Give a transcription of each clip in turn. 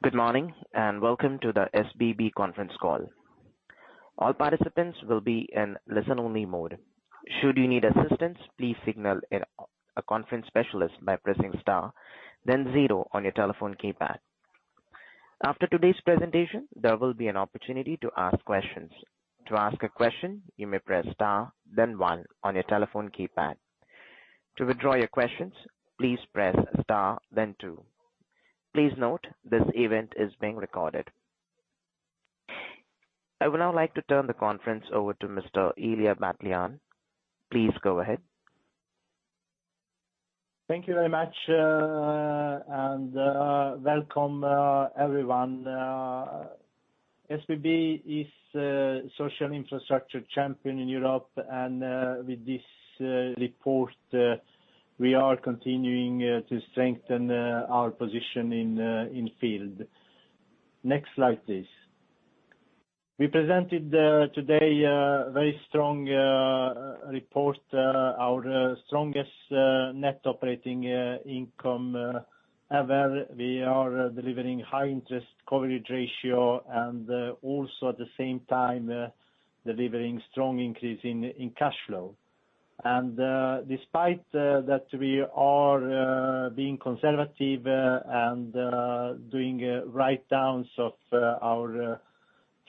Good morning, and welcome to the SBB Conference Call. All participants will be in listen-only mode. Should you need assistance, please signal a conference specialist by pressing star then zero on your telephone keypad. After today's presentation, there will be an opportunity to ask questions. To ask a question, you may press star then one on your telephone keypad. To withdraw your questions, please press star then two. Please note, this event is being recorded. I would now like to turn the conference over to Mr. Ilija Batljan. Please go ahead. Thank you very much and welcome everyone. SBB is a social infrastructure champion in Europe, and with this report we are continuing to strengthen our position in field. Next slide, please. We presented today a very strong report. Our strongest net operating income ever. We are delivering high interest coverage ratio and also at the same time delivering strong increase in cash flow. Despite that we are being conservative and doing write-downs of our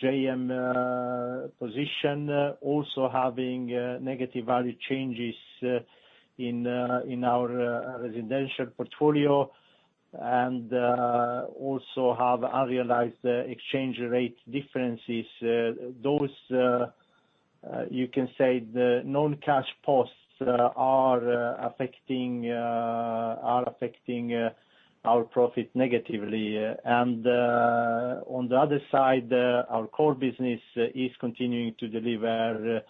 JM position also having negative value changes in our residential portfolio and also have unrealized exchange rate differences. Those you can say the non-cash costs are affecting our profit negatively. On the other side, our core business is continuing to deliver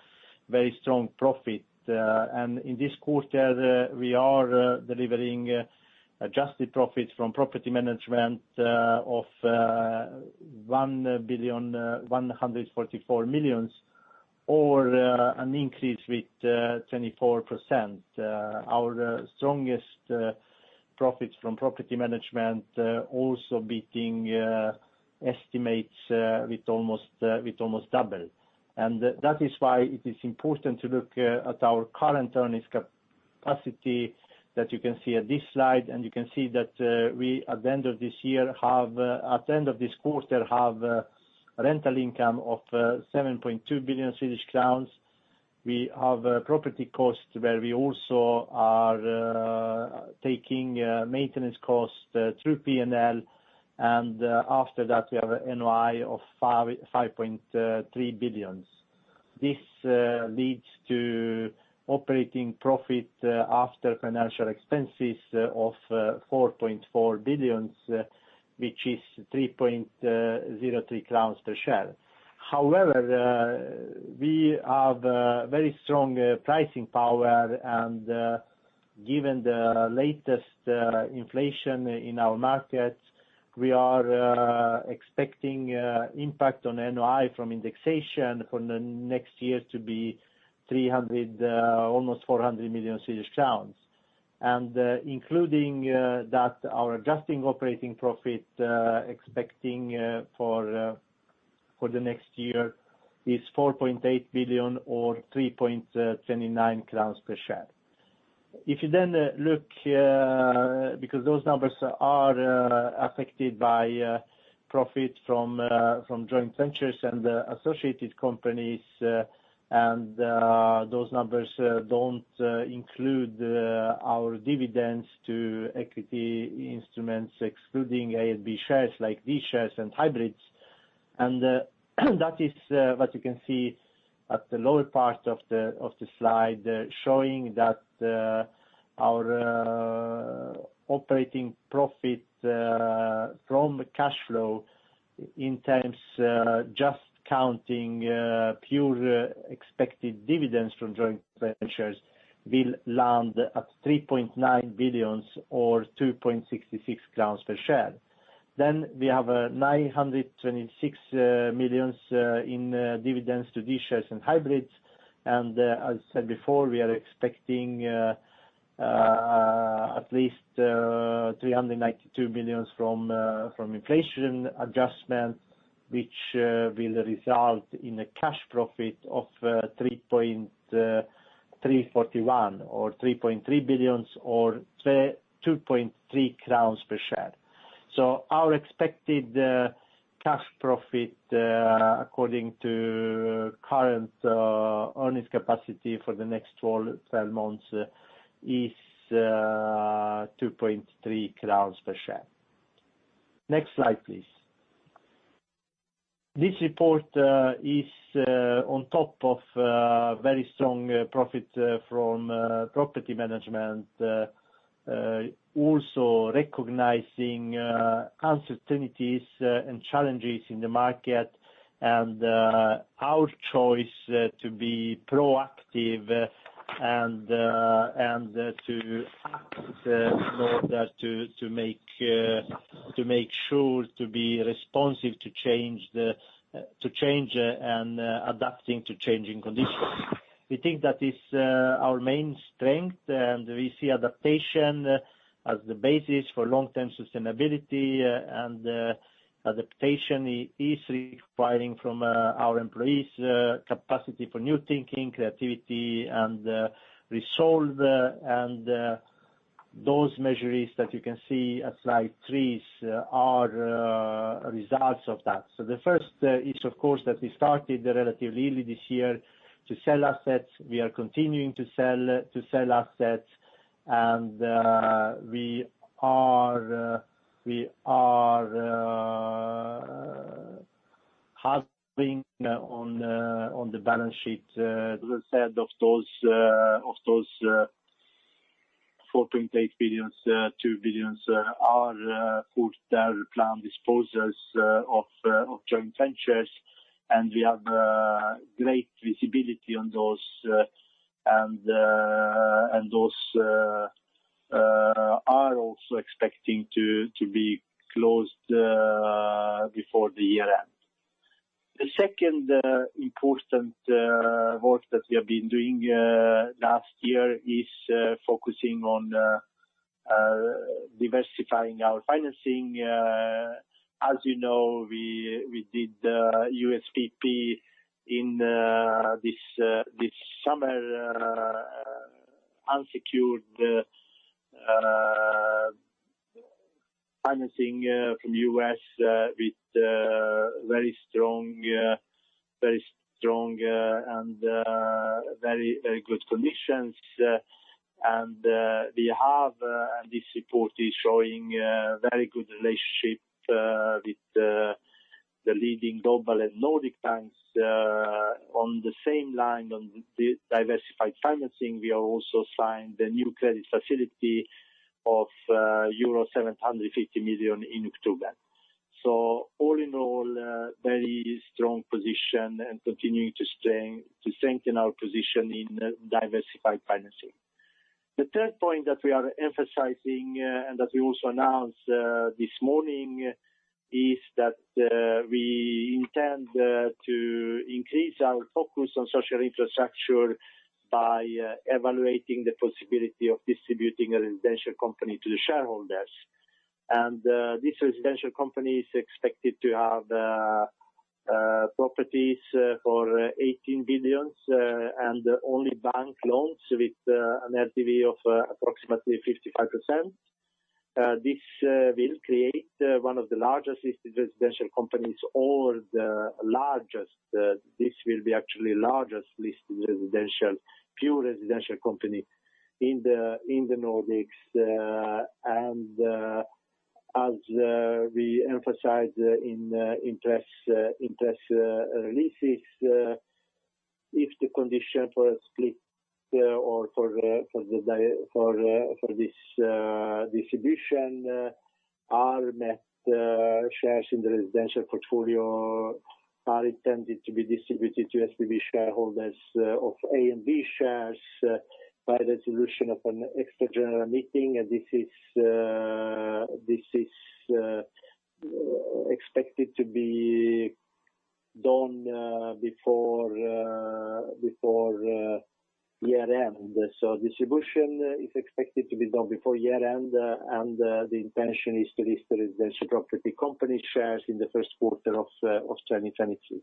very strong profit. In this quarter, we are delivering adjusted profits from property management of 1.144 billion or an increase with 24%. Our strongest profits from property management also beating estimates with almost double. That is why it is important to look at our current earnings capacity that you can see at this slide. You can see that we at the end of this quarter have rental income of 7.2 billion Swedish crowns. We have property costs where we also are taking maintenance costs through P&L. After that we have a NOI of 5.53 billion. This leads to operating profit after financial expenses of 4.4 billion, which is 3.03 crowns per share. However, we have very strong pricing power. Given the latest inflation in our markets, we are expecting impact on NOI from indexation for the next year to be 300 million almost 400 million Swedish crowns. Including that, our adjusted operating profit expected for the next year is 4.8 billion or 3.29 crowns per share. If you then look, because those numbers are affected by profits from joint ventures and associated companies, and those numbers don't include our dividends to equity instruments, excluding SBB shares like these shares and hybrids. That is what you can see at the lower part of the slide, showing that our operating profit from cash flow in terms just counting pure expected dividends from joint ventures will land at 3.9 billion or 2.66 crowns per share. We have 926 million in dividends to these shares and hybrids. as said before, we are expecting at least 392 million from inflation adjustments, which will result in a cash profit of 3.341 billion or 3.3 billion or 2.3 crowns per share. Our expected cash profit according to current earnings capacity for the next 12 months is 2.3 crowns per share. Next slide, please. This report is on top of very strong profit from property management. Also recognizing uncertainties and challenges in the market and our choice to be proactive and to act in order to make sure to be responsive to change and adapting to changing conditions. We think that is our main strength, and we see adaptation as the basis for long-term sustainability. Adaptation is requiring from our employees capacity for new thinking, creativity and resolve. Those measures that you can see at slide three are results of that. The first is, of course, that we started relatively early this year to sell assets. We are continuing to sell assets. We are hustling on the balance sheet, as I said of those SEK 48 billion, SEK 2 billion are full term plan disposals of joint ventures. We have great visibility on those, and those are also expecting to be closed before the year end. The second important work that we have been doing last year is focusing on diversifying our financing. As you know, we did USPP in this summer, unsecured financing from U.S. with very strong and very good conditions. We have this report is showing very good relationship with the leading global and Nordic banks. On the same line on the diversified financing, we are also signed the new credit facility of euro 750 million in October. All in all, very strong position and continuing to strengthen our position in diversified financing. The third point that we are emphasizing, and that we also announced this morning is that we intend to increase our focus on social infrastructure by evaluating the possibility of distributing a residential company to the shareholders. This residential company is expected to have properties for 18 billion, and only bank loans with an LTV of approximately 55%. This will create one of the largest listed residential companies or the largest. This will be actually largest listed residential, pure residential company in the Nordics. As we emphasize in press releases, if the condition for a split or for this distribution are met, shares in the residential portfolio are intended to be distributed to SBB shareholders of A and B shares by resolution of an extra general meeting. This is expected to be done before year end. Distribution is expected to be done before year end, and the intention is to list the residential property company shares in the first quarter of 2022.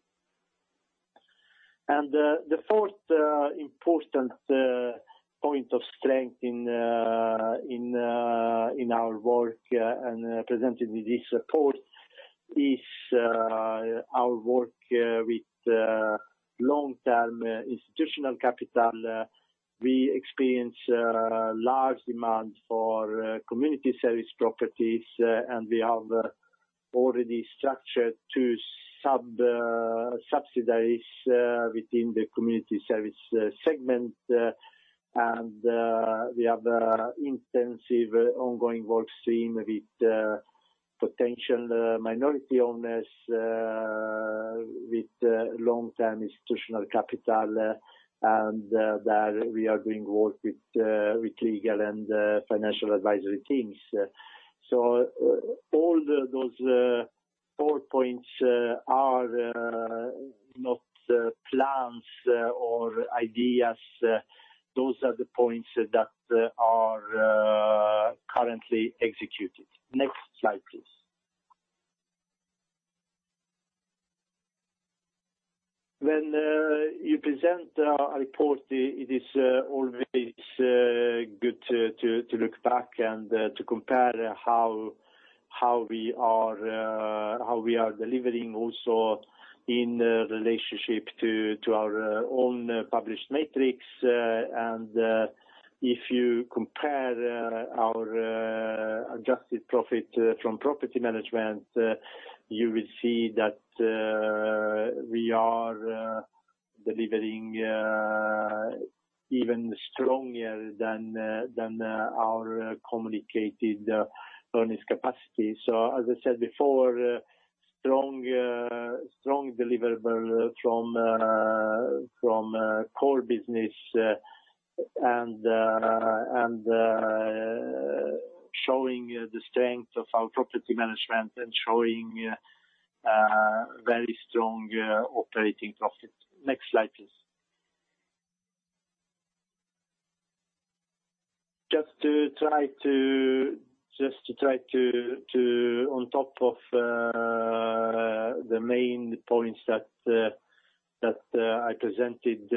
The fourth important point of strength in our work and presented in this report is our work with long-term institutional capital. We experience large demand for community service properties, and we have already structured two subsidiaries within the community service segment. We have intensive ongoing work stream with potential minority owners with long-term institutional capital. There we are doing work with legal and financial advisory teams. All those four points are not plans or ideas. Those are the points that are currently executed. Next slide, please. When you present a report, it is always good to look back and to compare how we are delivering also in relationship to our own published metrics. If you compare our adjusted profit from property management, you will see that we are delivering even stronger than our communicated earnings capacity. As I said before, strong deliverable from core business, and showing the strength of our property management and showing very strong operating profit. Next slide, please. Just to try to on top of the main points that I presented,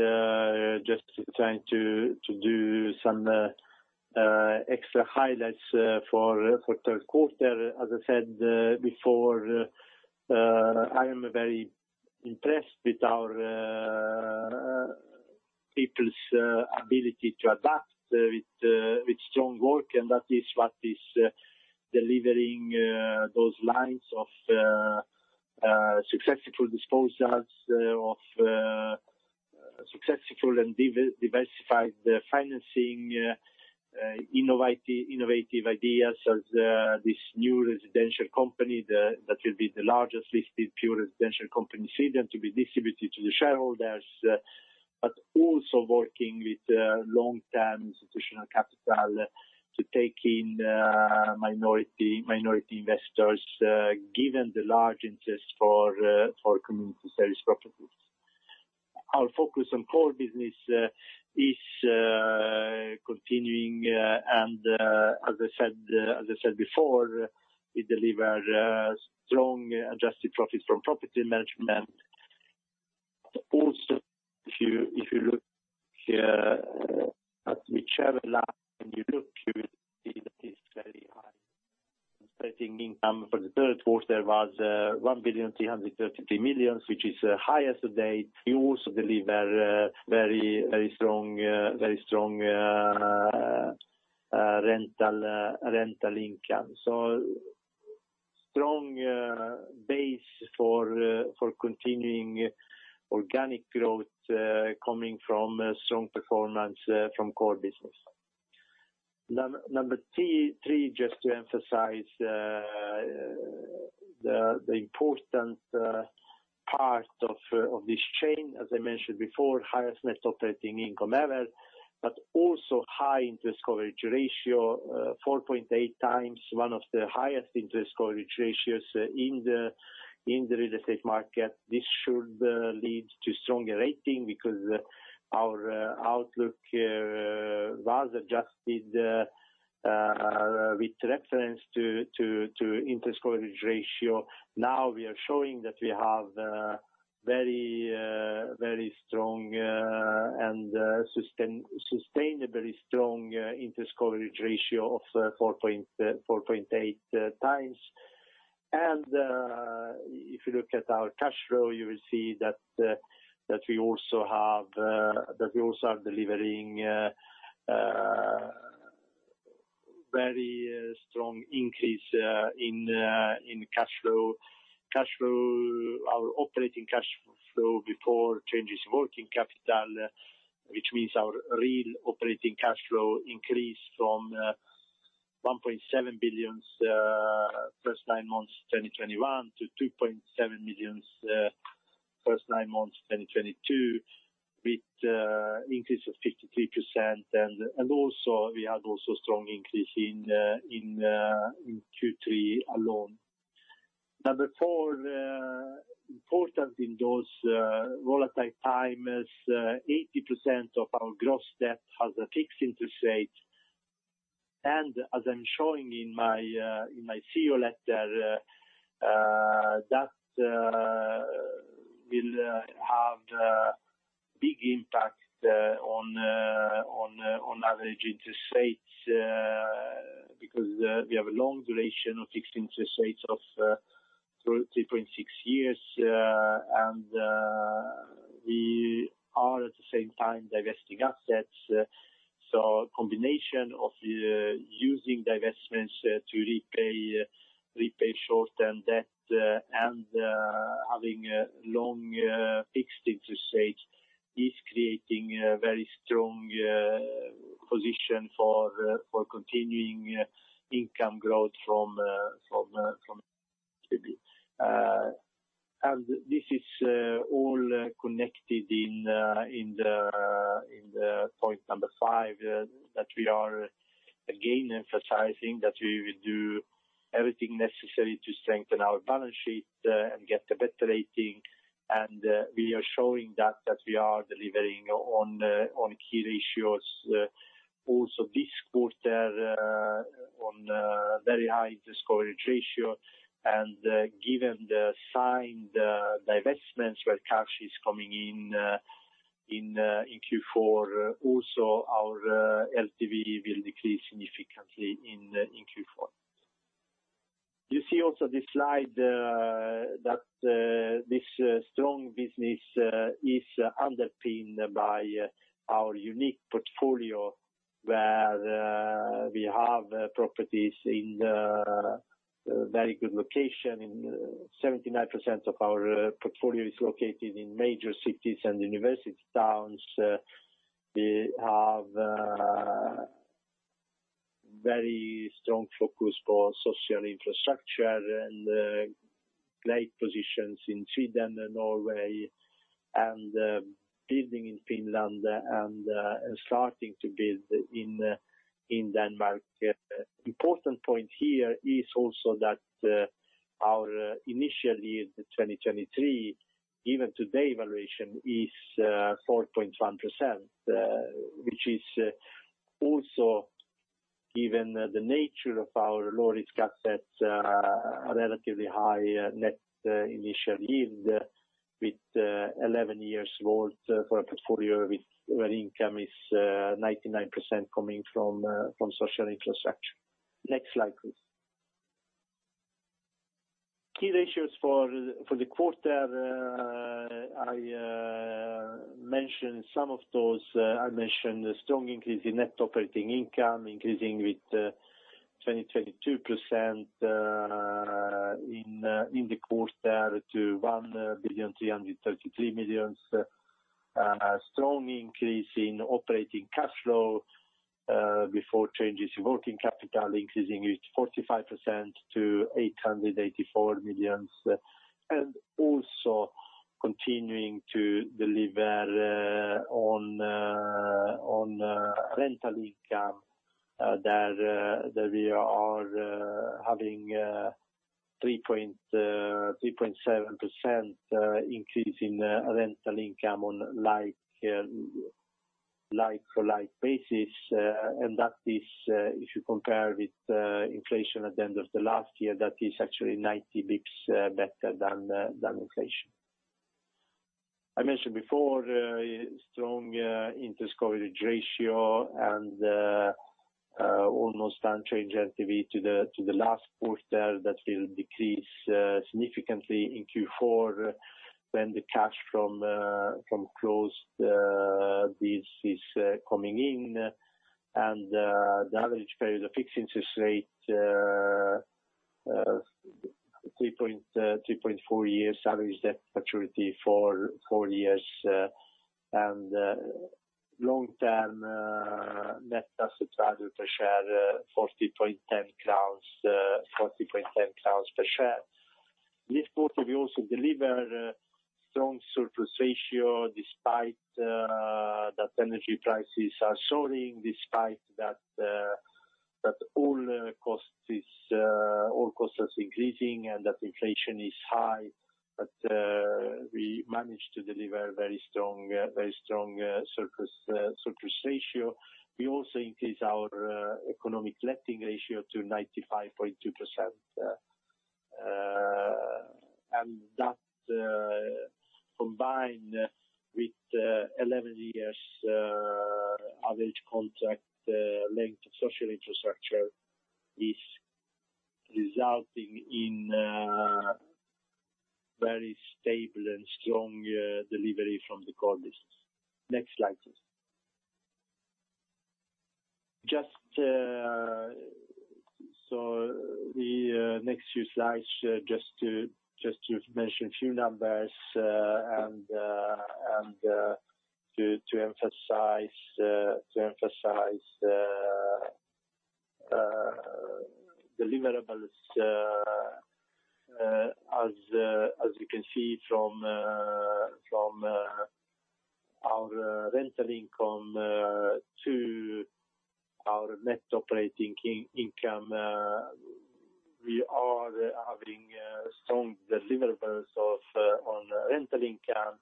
just to try to do some extra highlights for third quarter. As I said before, I am very impressed with our people's ability to adapt with strong work, and that is what is delivering those lines of successful disposals and diversified financing, innovative ideas such as this new residential company that will be the largest listed pure residential company in Sweden to be distributed to the shareholders, but also working with long-term institutional capital to take in minority investors given the large interest for community service properties. Our focus on core business is continuing, and as I said before, we deliver strong adjusted profits from property management. Also, if you look at whichever line when you look, you will see that it's very high. Operating income for the third quarter was 1.333 billion, which is highest to date. We also deliver very strong rental income. Strong base for continuing organic growth coming from a strong performance from core business. Number three, just to emphasize, the important part of this chain, as I mentioned before, highest net operating income ever, but also high interest coverage ratio, 4.8x, one of the highest interest coverage ratios in the real estate market. This should lead to stronger rating because our outlook was adjusted with reference to interest coverage ratio. Now we are showing that we have very strong and sustainably strong interest coverage ratio of 4.8x. If you look at our cash flow, you will see that we also are delivering very strong increase in cash flow. Our operating cash flow before changes in working capital, which means our real operating cash flow, increased from 1.7 billion first nine months 2021 to 2.7 billion first nine months 2022, with increase of 53%. We had strong increase in Q3 alone. Number four, important in those volatile times, 80% of our gross debt has a fixed interest rate. As I'm showing in my CEO letter, that will have big impact on average interest rates, because we have a long duration of fixed interest rates of 3.6 years, and we are at the same time divesting assets. A combination of using divestments to repay short-term debt and having a long fixed interest rate is creating a very strong position for continuing income growth from, and this is all connected in the point number five, that we are again emphasizing that we will do everything necessary to strengthen our balance sheet and get a better rating. We are showing that we are delivering on key ratios. Also this quarter on very high discovery ratio. Given the signed divestments where cash is coming in in Q4, also our LTV will decrease significantly in Q4. You see also this slide that this strong business is underpinned by our unique portfolio, where we have properties in very good location. 79% of our portfolio is located in major cities and university towns. We have very strong focus for social infrastructure and like positions in Sweden and Norway, and building in Finland and starting to build in Denmark. Important point here is also that our initial yield 2023, even today valuation is 4.1%, which is also given the nature of our low risk assets, a relatively high net initial yield with 11 years worth for a portfolio where income is 99% coming from social infrastructure. Next slide, please. Key ratios for the quarter, I mentioned some of those. I mentioned a strong increase in net operating income, increasing with 22% in the quarter to 1,333 million. A strong increase in operating cash flow before changes in working capital increasing with 45% to 884 million. Also continuing to deliver on rental income that we are having 3.7% increase in rental income on like-for-like basis. That is if you compare with inflation at the end of the last year, that is actually 90 basis points better than inflation. I mentioned before strong interest coverage ratio and almost unchanged LTV to the last quarter. That will decrease significantly in Q4 when the cash from closed deals is coming in. The average period of fixed interest rate 3.4 years. Average debt maturity four years. Long term net asset value per share, 40.10 crowns, 40.10 crowns per share. This quarter we also deliver strong surplus ratio despite that energy prices are soaring, despite that all costs is increasing and that inflation is high. We managed to deliver very strong surplus ratio. We also increased our economic letting ratio to 95.2%. That combined with 11 years average contract length of social infrastructure is resulting in very stable and strong delivery from the core business. Next slide, please. Just the next few slides, just to mention a few numbers, and to emphasize deliverables, as you can see from our rental income to our net operating income, we are having a strong deliverables on rental income.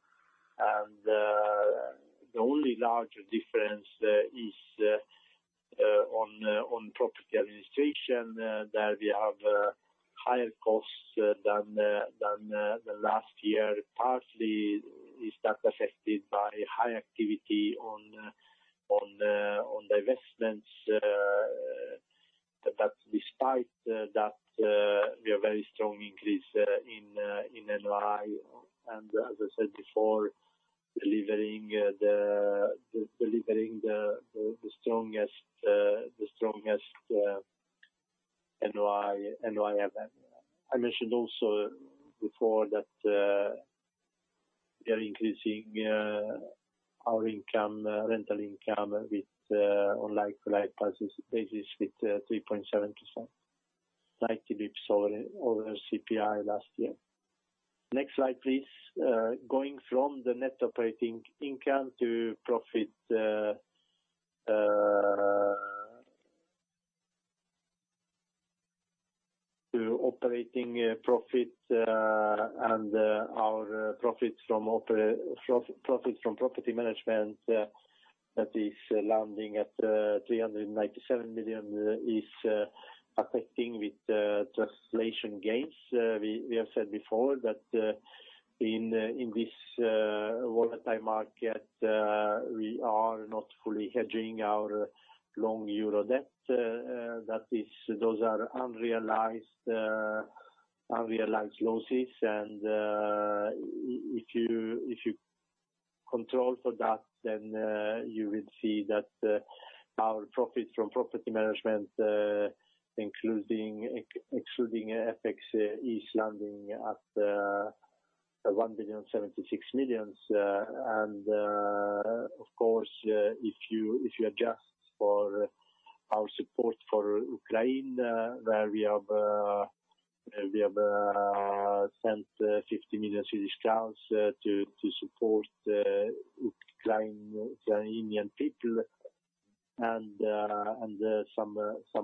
The only large difference is on property administration, there we have higher costs than the last year. Partly that is affected by high activity on the investments. But despite that, we have very strong increase in NOI. As I said before, delivering the strongest NOI ever. I mentioned also before that, we are increasing our rental income on like-for-like basis with 3.7%, 90 basis points over CPI last year. Next slide, please. Going from the net operating income to operating profit, and our profit from property management that is landing at 397 million, affected by the translation gains. We have said before that in this volatile market, we are not fully hedging our long euro debt. That is, those are unrealized losses. If you control for that then, you will see that our profit from property management excluding FX is landing at SEK 1,076 million. Of course, if you adjust for our support for Ukraine, where we have sent 50 million to support Ukraine, Ukrainian people and some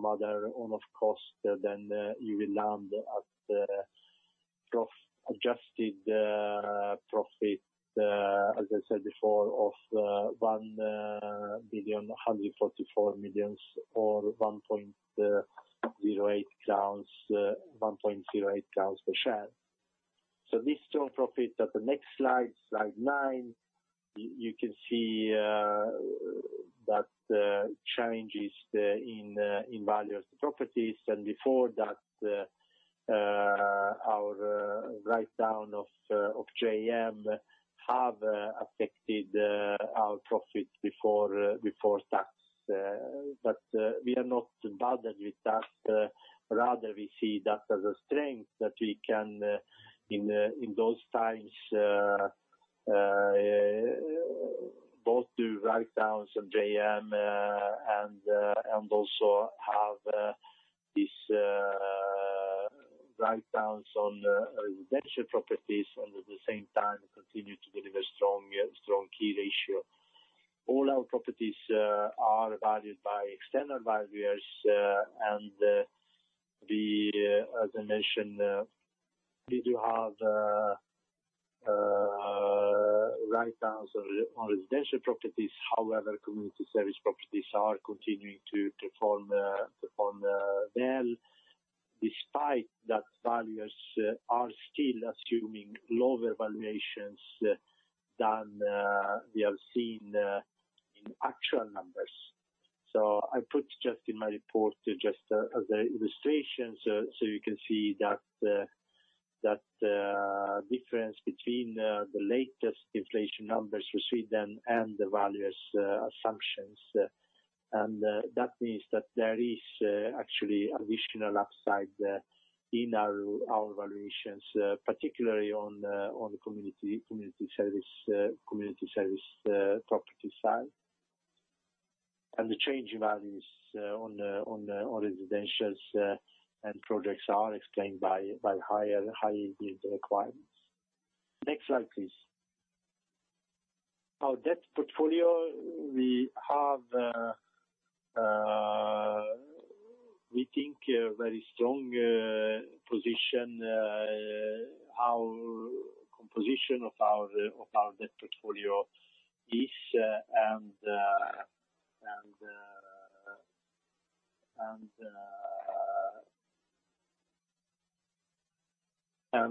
other one-off costs, then you will land at adjusted profit, as I said before, of 1.144 billion, or 1.08 crowns per share. The shown profit at the next slide nine, you can see that changes in value of the properties, and before that, our write-down of JM have affected our profits before tax. We are not bothered with that. Rather, we see that as a strength that we can, in those times, both do write-downs of JM and also have these write-downs on residential properties and at the same time continue to deliver strong key ratio. All our properties are valued by external valuers. As I mentioned, we do have write-downs on residential properties. However, community service properties are continuing to perform well, despite that valuers are still assuming lower valuations than we have seen in actual numbers. I just put in my report as an illustration so you can see that difference between the latest inflation numbers for Sweden and the valuers' assumptions. That means that there is actually additional upside in our valuations, particularly on the community service property side. The change in values on residentials and projects are explained by higher yield requirements. Next slide, please. Our debt portfolio. We think a very strong position. How the composition of our debt portfolio is, as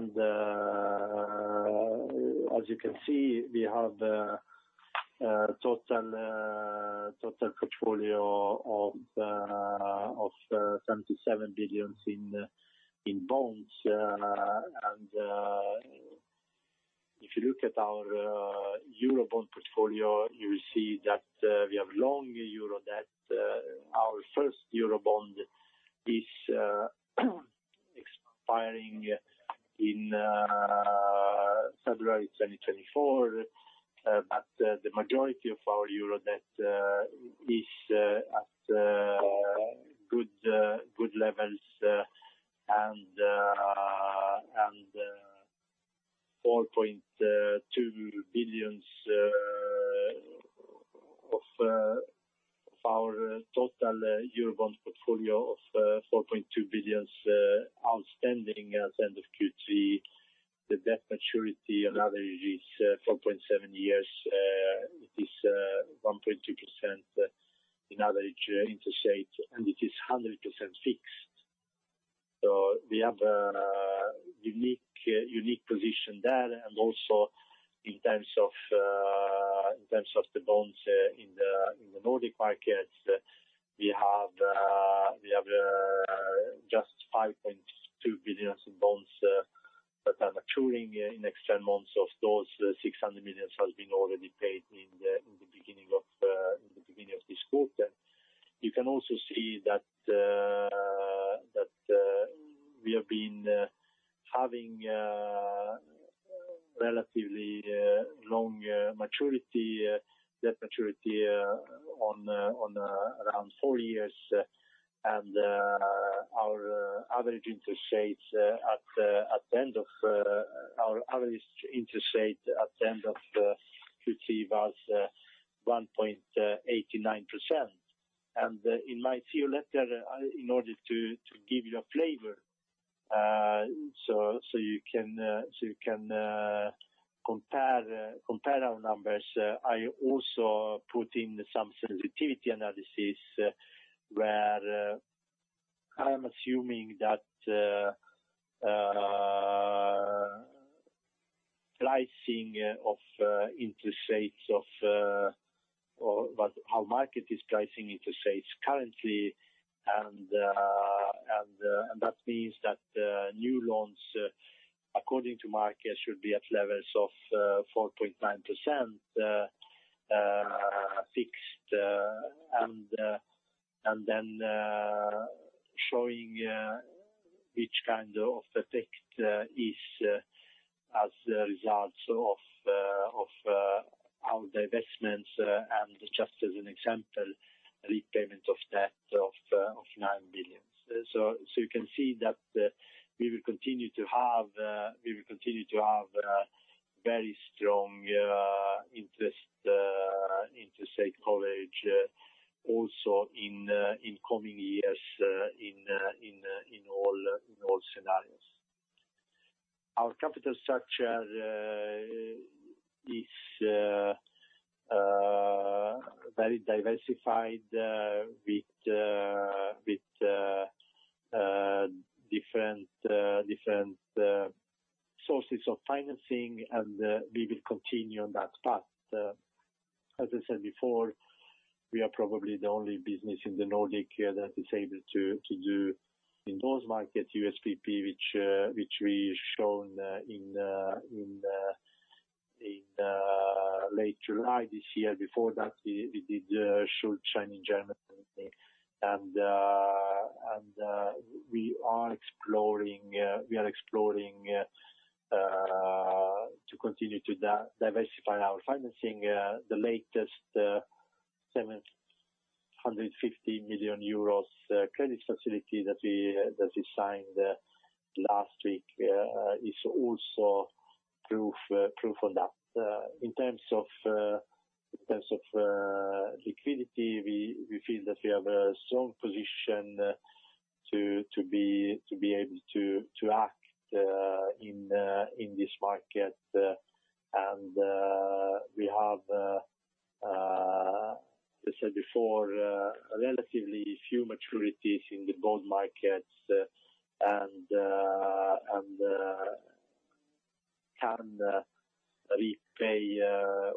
you can see, the total portfolio of SEK 77 billion in bonds. If you look at our euro bond portfolio, you will see that we have long euro debt. Our first euro bond is expiring in February 2024. The majority of our euro debt is at good levels. 4.2 billion of our total euro bond portfolio of 4.2 billion outstanding as of end of Q3. The debt maturity on average is 4.7 years. It is 1.2% average interest rate, and it is 100% fixed. We have a unique position there. Also in terms of the bonds in the Nordic markets, we have just 5.2 billion in bonds that are maturing in next 10 months. Of those, 600 million has been already paid in the beginning of this quarter. You can also see that we have been having relatively long debt maturity of around four years. Our average interest rate at the end of Q3 was 1.89%. In my full letter, in order to give you a flavor so you can compare our numbers, I also put in some sensitivity analysis where I'm assuming that pricing of interest rates or what our market is pricing interest rates currently. That means that new loans, according to market, should be at levels of 4.9%, fixed. Showing which kind of effect is as a result of our divestments and just as an example, repayment of debt of 9 billion. You can see that we will continue to have very strong interest coverage also in coming years in all scenarios. Our capital structure is very diversified with different sources of financing, we will continue on that path. As I said before, we are probably the only business in the Nordic area that is able to do in those markets USPP, which we shown in late July this year. Before that, we did a Schuldscheindarlehen in Germany. We are exploring to continue to diversify our financing. The latest 750 million euros credit facility that we signed last week is also proof of that. In terms of liquidity, we feel that we have a strong position to be able to act in this market. We have, as I said before, relatively few maturities in the bond markets, and can repay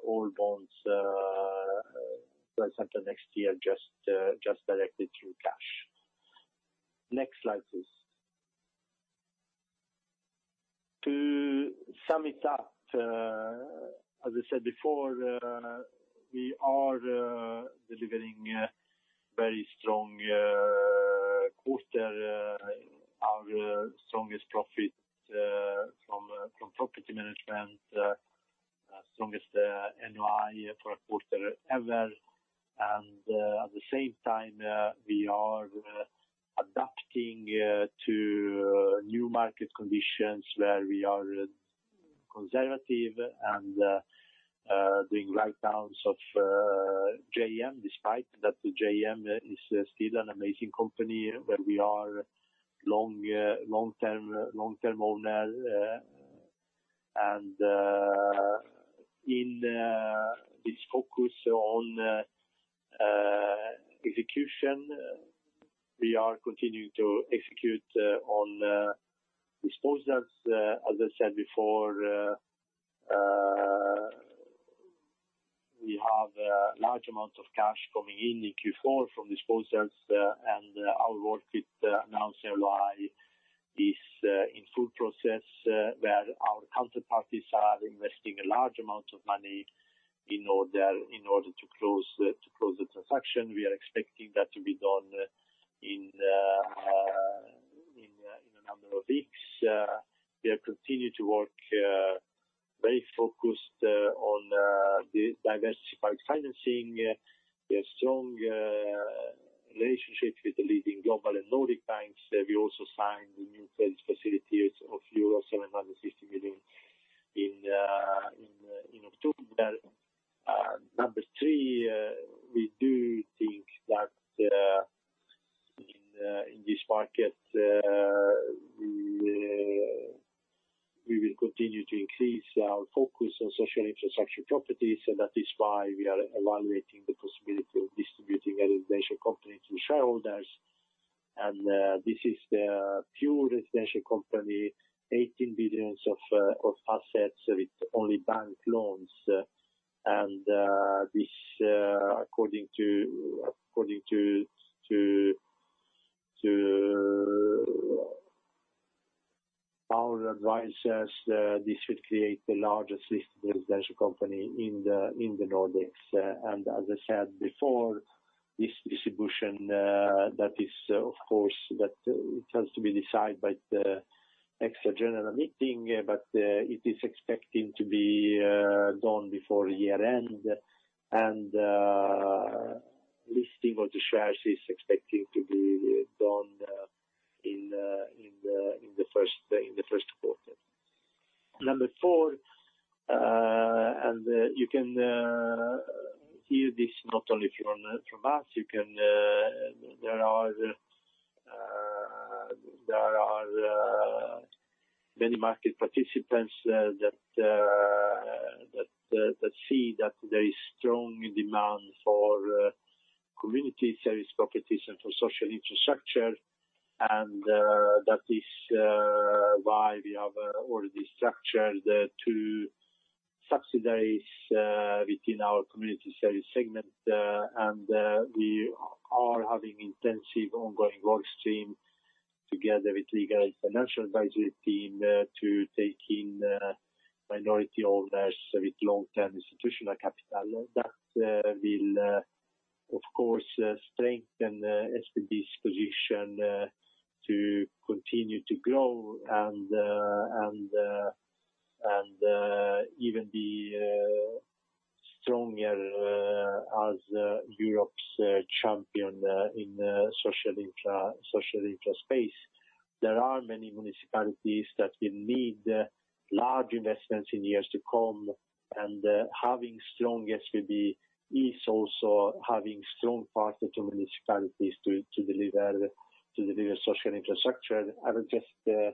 all bonds, for example, next year, just directly through cash. Next slide, please. To sum it up, as I said before, we are delivering a very strong quarter, our strongest profit from property management, strongest NOI for a quarter ever. At the same time, we are adapting to new market conditions where we are conservative and doing write-downs of JM, despite that JM is still an amazing company where we are long-term owner. In this focus on execution, we are continuing to execute on disposals. As I said before, we have a large amount of cash coming in in Q4 from disposals, and our work with Amasten is in full process, where our counterparties are investing a large amount of money in order to close the transaction. We are expecting that to be done in a number of weeks. We continue to work very focused on the diversified financing. We have strong relationships with the leading global and Nordic banks. We also signed the new credit facilities of euro 750 million in October. Number three, we do think that in this market, we will continue to increase our focus on social infrastructure properties. That is why we are evaluating the possibility of distributing residential company to shareholders. This is the pure residential company, SEK 18 billion of assets with only bank loans. This, according to our advisors, should create the largest listed residential company in the Nordics. As I said before, this distribution, that is, of course, that it has to be decided by the extraordinary general meeting. It is expecting to be done before year-end. Listing of the shares is expecting to be done in the first quarter. Number four, you can hear this not only from us, there are many market participants that see that there is strong demand for community service properties and for social infrastructure. That is why we have already structured the two subsidiaries within our community service segment. We are having intensive ongoing workstream together with legal and financial advisory team to take in minority owners with long-term institutional capital. That will, of course, strengthen SBB's position to continue to grow and even be stronger as Europe's champion in social infra space. There are many municipalities that will need large investments in years to come, and having strong SBB is also having strong partner to municipalities to deliver social infrastructure. I was just a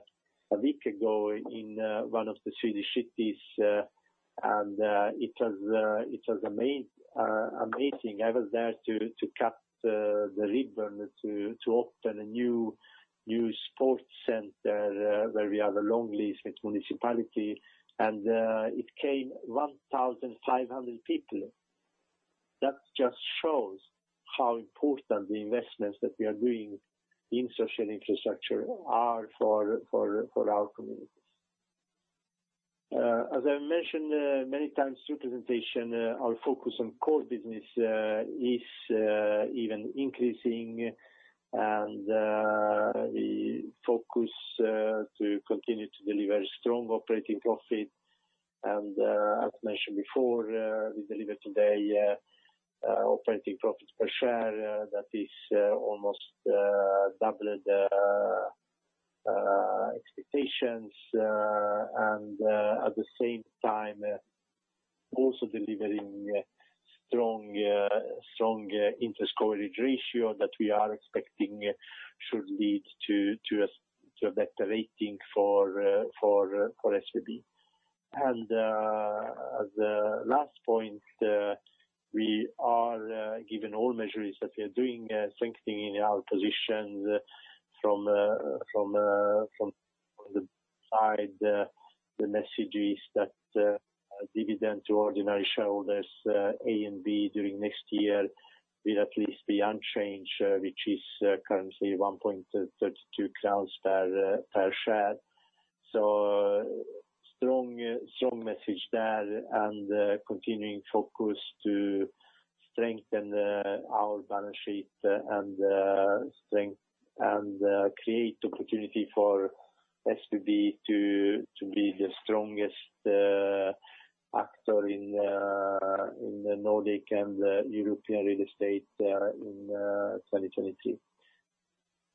week ago in one of the Swedish cities, and it was amazing. I was there to cut the ribbon to open a new sports center, where we have a long lease with municipality. It came 1,500 people. That just shows how important the investments that we are doing in social infrastructure are for our communities. As I mentioned many times through presentation, our focus on core business is even increasing. We focus to continue to deliver strong operating profit. As mentioned before, we deliver today operating profit per share that is almost doubled expectations, and at the same time also delivering strong interest coverage ratio that we are expecting should lead to a better rating for SBB. As a last point, given all measures that we are doing, we are strengthening our position from the side, the message is that the dividend to ordinary shareholders A and B during next year will at least be unchanged, which is currently 1.32 crowns per share. Strong message there and continuing focus to strengthen our balance sheet and strengthen and create opportunity for SBB to be the strongest actor in the Nordic and European real estate in 2023.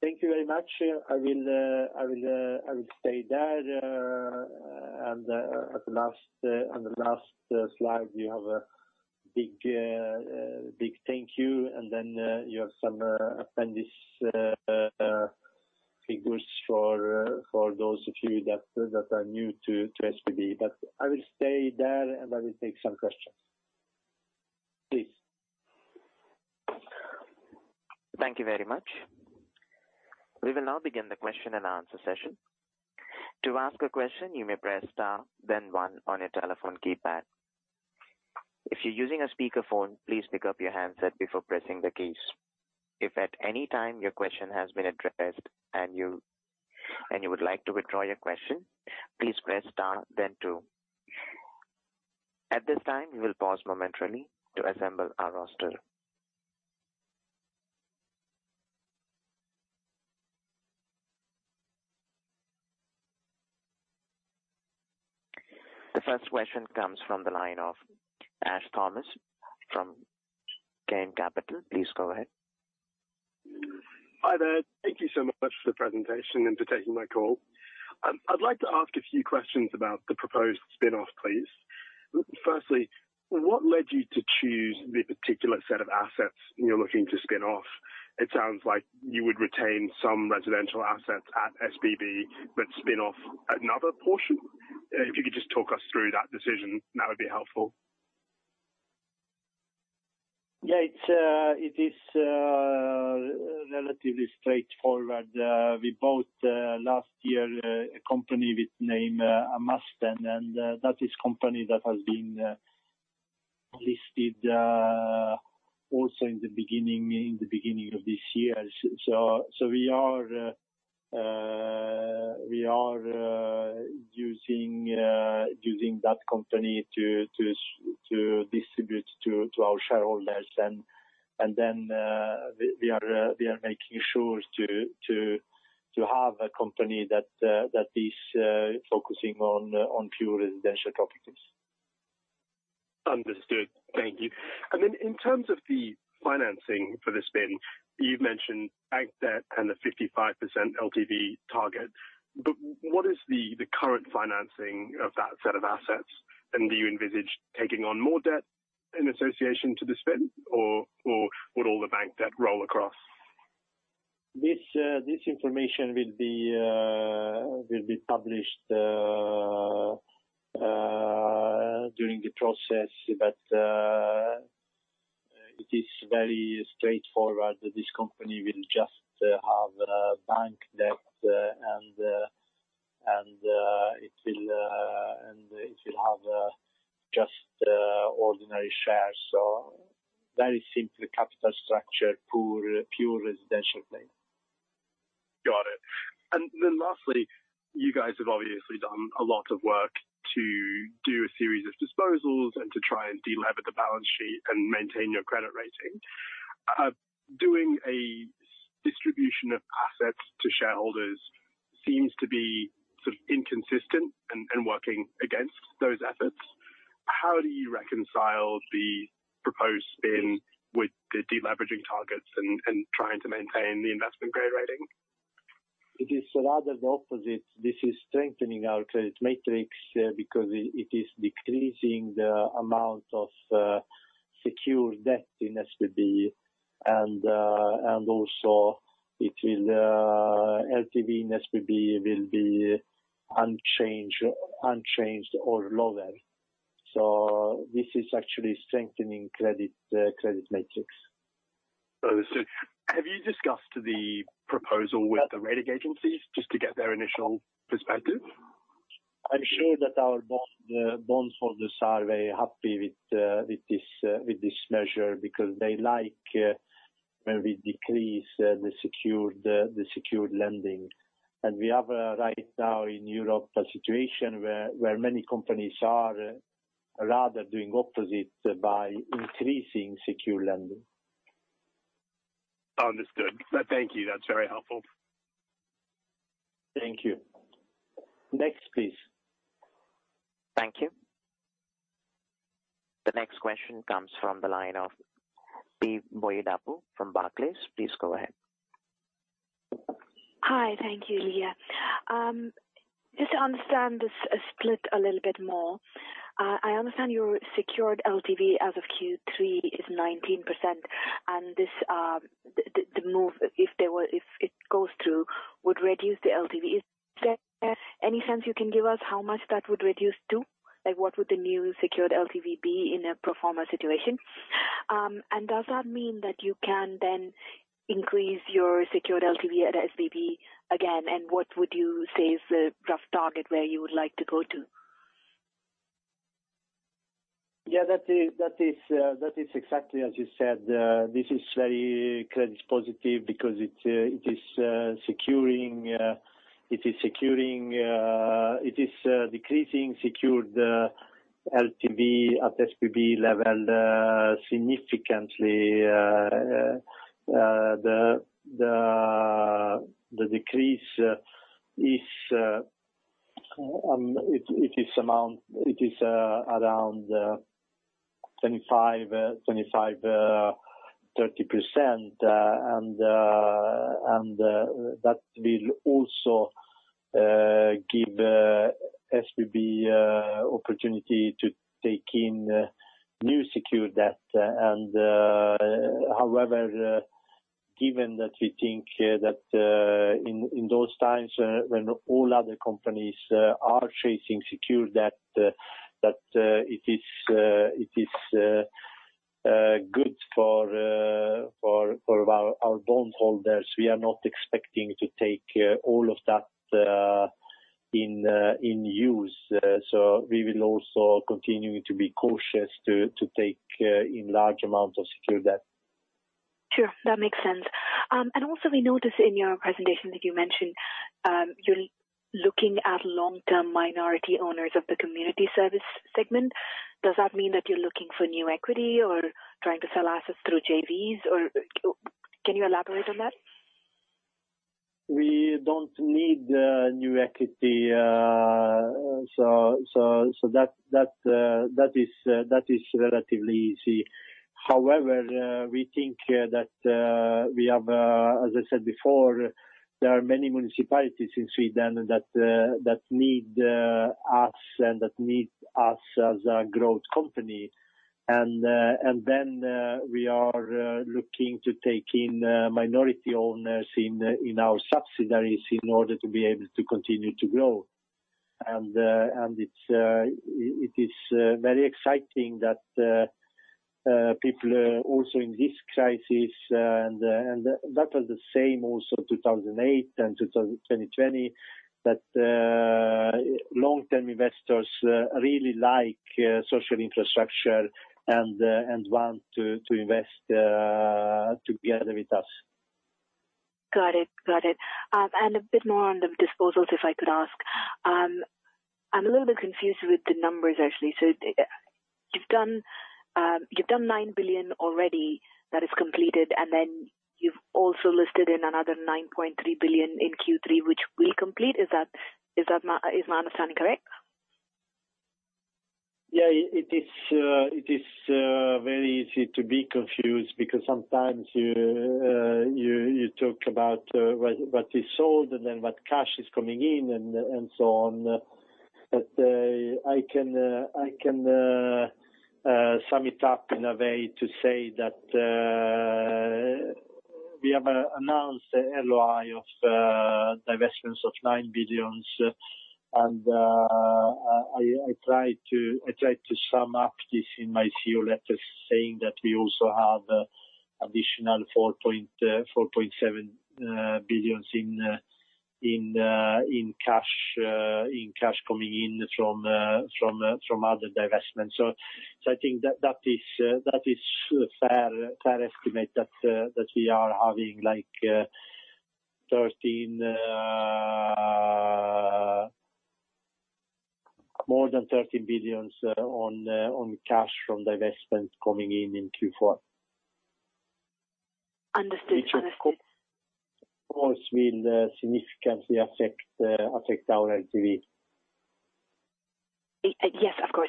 Thank you very much. I will stay there. On the last slide we have a big thank you. Then you have some appendix figures for those of you that are new to SBB. I will stay there, and I will take some questions. Please. Thank you very much. We will now begin the question and answer session. To ask a question, you may press star, then one on your telephone keypad. If you're using a speakerphone, please pick up your handset before pressing the keys. If at any time your question has been addressed and you would like to withdraw your question, please press star then two. At this time, we will pause momentarily to assemble our roster. The first question comes from the line of Ash Thomas from Gain Capital. Please go ahead. Hi there. Thank you so much for the presentation and for taking my call. I'd like to ask a few questions about the proposed spin-off, please. Firstly, what led you to choose the particular set of assets you're looking to spin off? It sounds like you would retain some residential assets at SBB, but spin off another portion. If you could just talk us through that decision, that would be helpful. Yeah. It's relatively straightforward. We bought last year a company named Amasten, and that is company that has been listed also in the beginning of this year. We are using that company to distribute to our shareholders. We are making sure to have a company that is focusing on pure residential properties. Understood. Thank you. In terms of the financing for the spin, you've mentioned bank debt and the 55% LTV target, but what is the current financing of that set of assets? Do you envisage taking on more debt in association to the spin or would all the bank debt roll across? This information will be published during the process, but it is very straightforward that this company will just have a bank debt, and it will have just ordinary shares. Very simple capital structure, pure residential thing. Got it. Lastly, you guys have obviously done a lot of work to do a series of disposals and to try and delever the balance sheet and maintain your credit rating. Doing a distribution of assets to shareholders seems to be sort of inconsistent and working against those efforts. How do you reconcile the proposed spin with the deleveraging targets and trying to maintain the investment grade rating? It is rather the opposite. This is strengthening our credit metrics, because it is decreasing the amount of secured debt in SBB. LTV in SBB will be unchanged or lower. This is actually strengthening credit metrics. Have you discussed the proposal with the rating agencies just to get their initial perspective? I'm sure that our bondholders are very happy with this measure because they like when we decrease the secured lending. We have right now in Europe a situation where many companies are rather doing the opposite by increasing secured lending. Understood. Thank you. That's very helpful. Thank you. Next, please. Thank you. The next question comes from the line of Pranava Boyidapu from Barclays. Please go ahead. Hi. Thank you, Ilija. Just to understand this split a little bit more. I understand your secured LTV as of Q3 is 19%, and this, the move, if it goes through, would reduce the LTV. Is there any sense you can give us how much that would reduce to? Like, what would the new secured LTV be in a pro forma situation? And does that mean that you can then increase your secured LTV at SBB again? And what would you say is the rough target where you would like to go to? Yeah, that is exactly as you said. This is very credit positive because it is decreasing secured LTV at SBB level significantly. The decrease is around 25%-30%. That will also give SBB opportunity to take in new secure debt. However, given that we think that in those times when all other companies are chasing secure debt, it is good for our bondholders. We are not expecting to take all of that in use. We will also continue to be cautious to take on large amounts of secure debt. Sure. That makes sense. We noticed in your presentation that you mentioned you're looking at long-term minority owners of the community service segment. Does that mean that you're looking for new equity or trying to sell assets through JVs? Or can you elaborate on that? We don't need new equity. That is relatively easy. However, we think that we have, as I said before, there are many municipalities in Sweden that need us and that need us as a growth company. We are looking to take in minority owners in our subsidiaries in order to be able to continue to grow. It's very exciting that people are also in this crisis. That was the same also 2008 and 2020 that long-term investors really like social infrastructure and want to invest together with us. Got it. A bit more on the disposals, if I could ask. I'm a little bit confused with the numbers, actually. You've done 9 billion already that is completed, and then you've also listed another 9.3 billion in Q3 which will complete. Is that my understanding correct? Yeah. It is very easy to be confused because sometimes you talk about what is sold and then what cash is coming in and so on. I can sum it up in a way to say that we have announced a LOI of divestments of SEK 9 billion. I try to sum up this in my CEO letter saying that we also have additional 4.7 billion in cash coming in from other divestments. I think that is a fair estimate that we are having like more than 13 billion in cash from divestments coming in in Q4. Understood. Which of course will significantly affect our LTV. Yes, of course.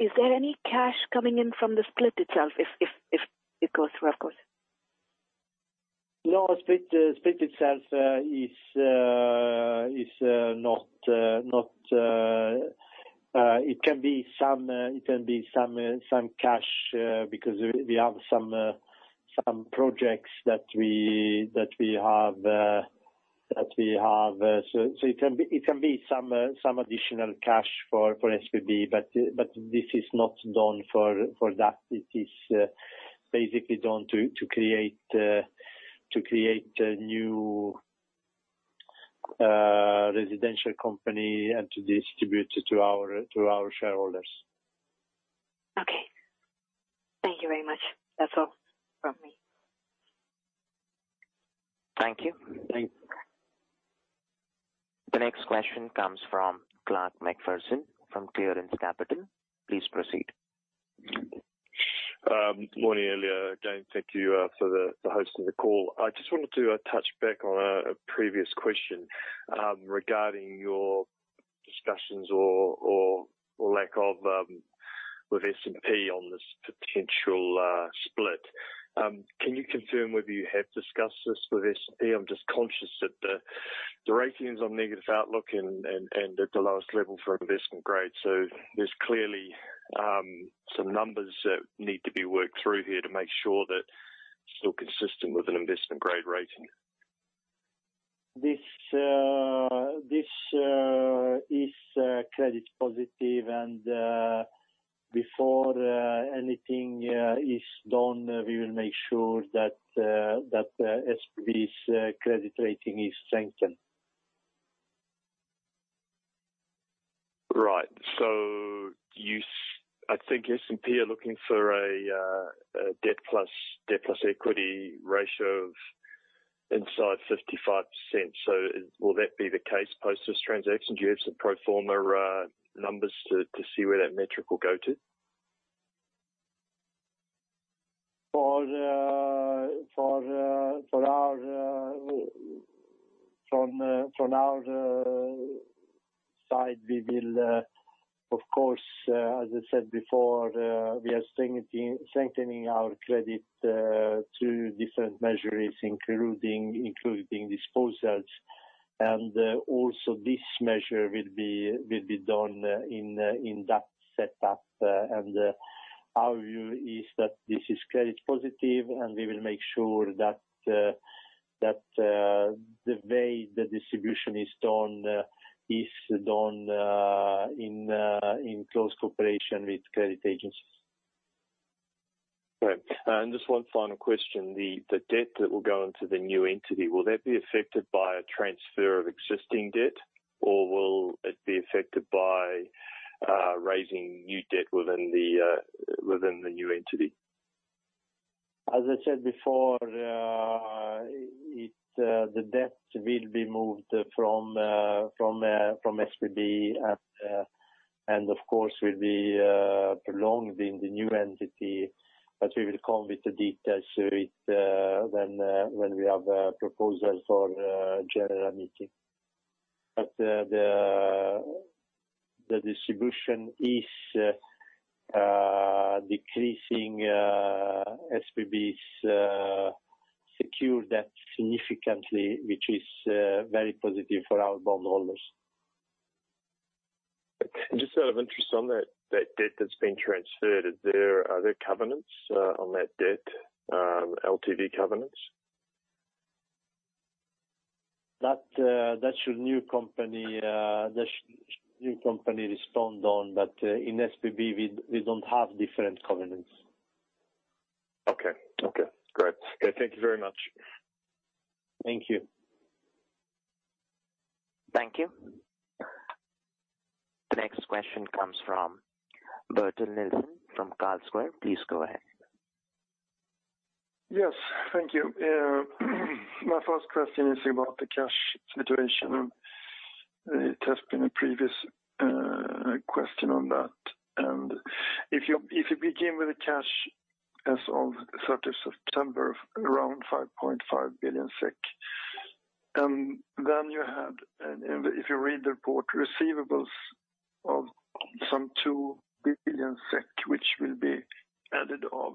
Is there any cash coming in from the split itself if it goes through, of course? No. Split itself is not. It can be some cash because we have some projects that we have. It can be some additional cash for SBB. This is not done for that. It is basically done to create a new residential company and to distribute it to our shareholders. Okay. Thank you very much. That's all from me. Thank you. Thanks. The next question comes from Clark McPherson from Clearance Capital. Please proceed. Morning, Ilija Batljan. Again, thank you for hosting the call. I just wanted to touch back on a previous question regarding your discussions or lack of with S&P on this potential split. Can you confirm whether you have discussed this with S&P? I'm just conscious that the ratings on negative outlook and at the lowest level for investment grade. There's clearly some numbers that need to be worked through here to make sure that it's still consistent with an investment grade rating. This is credit positive and before anything is done, we will make sure that S&P's credit rating is strengthened. I think S&P are looking for a debt plus equity ratio of inside 55%. Will that be the case post this transaction? Do you have some pro forma numbers to see where that metric will go to? From our side, we will of course, as I said before, we are strengthening our credit through different measures, including disposals. Also this measure will be done in that setup. Our view is that this is credit positive, and we will make sure that the way the distribution is done in close cooperation with credit agencies. Right. Just one final question. The debt that will go into the new entity, will that be affected by a transfer of existing debt, or will it be affected by raising new debt within the new entity? As I said before, the debt will be moved from SBB and of course will be prolonged in the new entity. We will come with the details when we have a proposal for general meeting. The distribution is decreasing SBB's secure debt significantly, which is very positive for our bondholders. Just out of interest on that debt that's been transferred, are there covenants on that debt, LTV covenants? That's your new company, respond on that. In SBB, we don't have different covenants. Okay. Okay, great. Okay, thank you very much. Thank you. Thank you. The next question comes from Bertil Nilsson from Carlsquare. Please go ahead. Yes. Thank you. My first question is about the cash situation. It has been a previous question on that. If you begin with the cash as of third of September, around 5.5 billion SEK, and if you read the report, receivables of some 2 billion SEK, which will be added on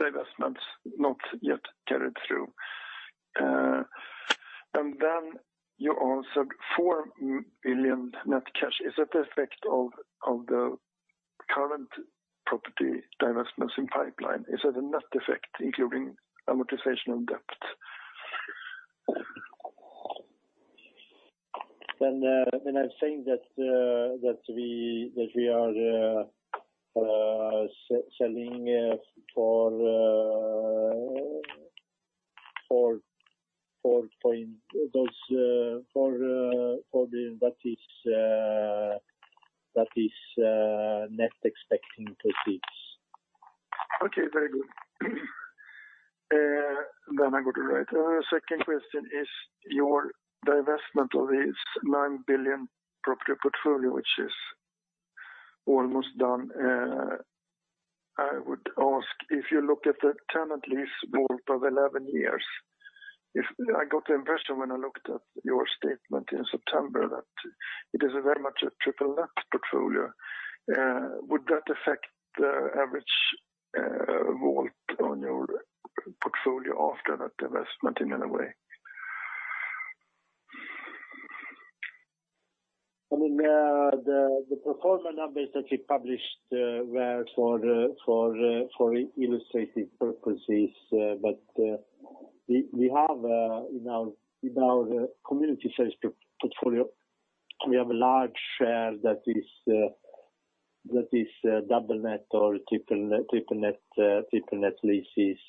divestments not yet carried through. Then you answered 4 billion net cash. Is that the effect of the current property divestments in pipeline? Is it a net effect, including amortization of debt? When I'm saying that we are selling for SEK 4.4 billion, that is net expected proceeds. Okay, very good. I go to the right. Second question is your divestment of this 9 billion property portfolio, which is almost done. I would ask if you look at the tenant lease WAULT of 11 years, I got the impression when I looked at your statement in September that it is very much a triple net portfolio. Would that affect the average WAULT on your portfolio after that divestment in any way? I mean, the pro forma numbers that we published were for illustrative purposes. We have in our community service portfolio a large share that is double net or triple net leases.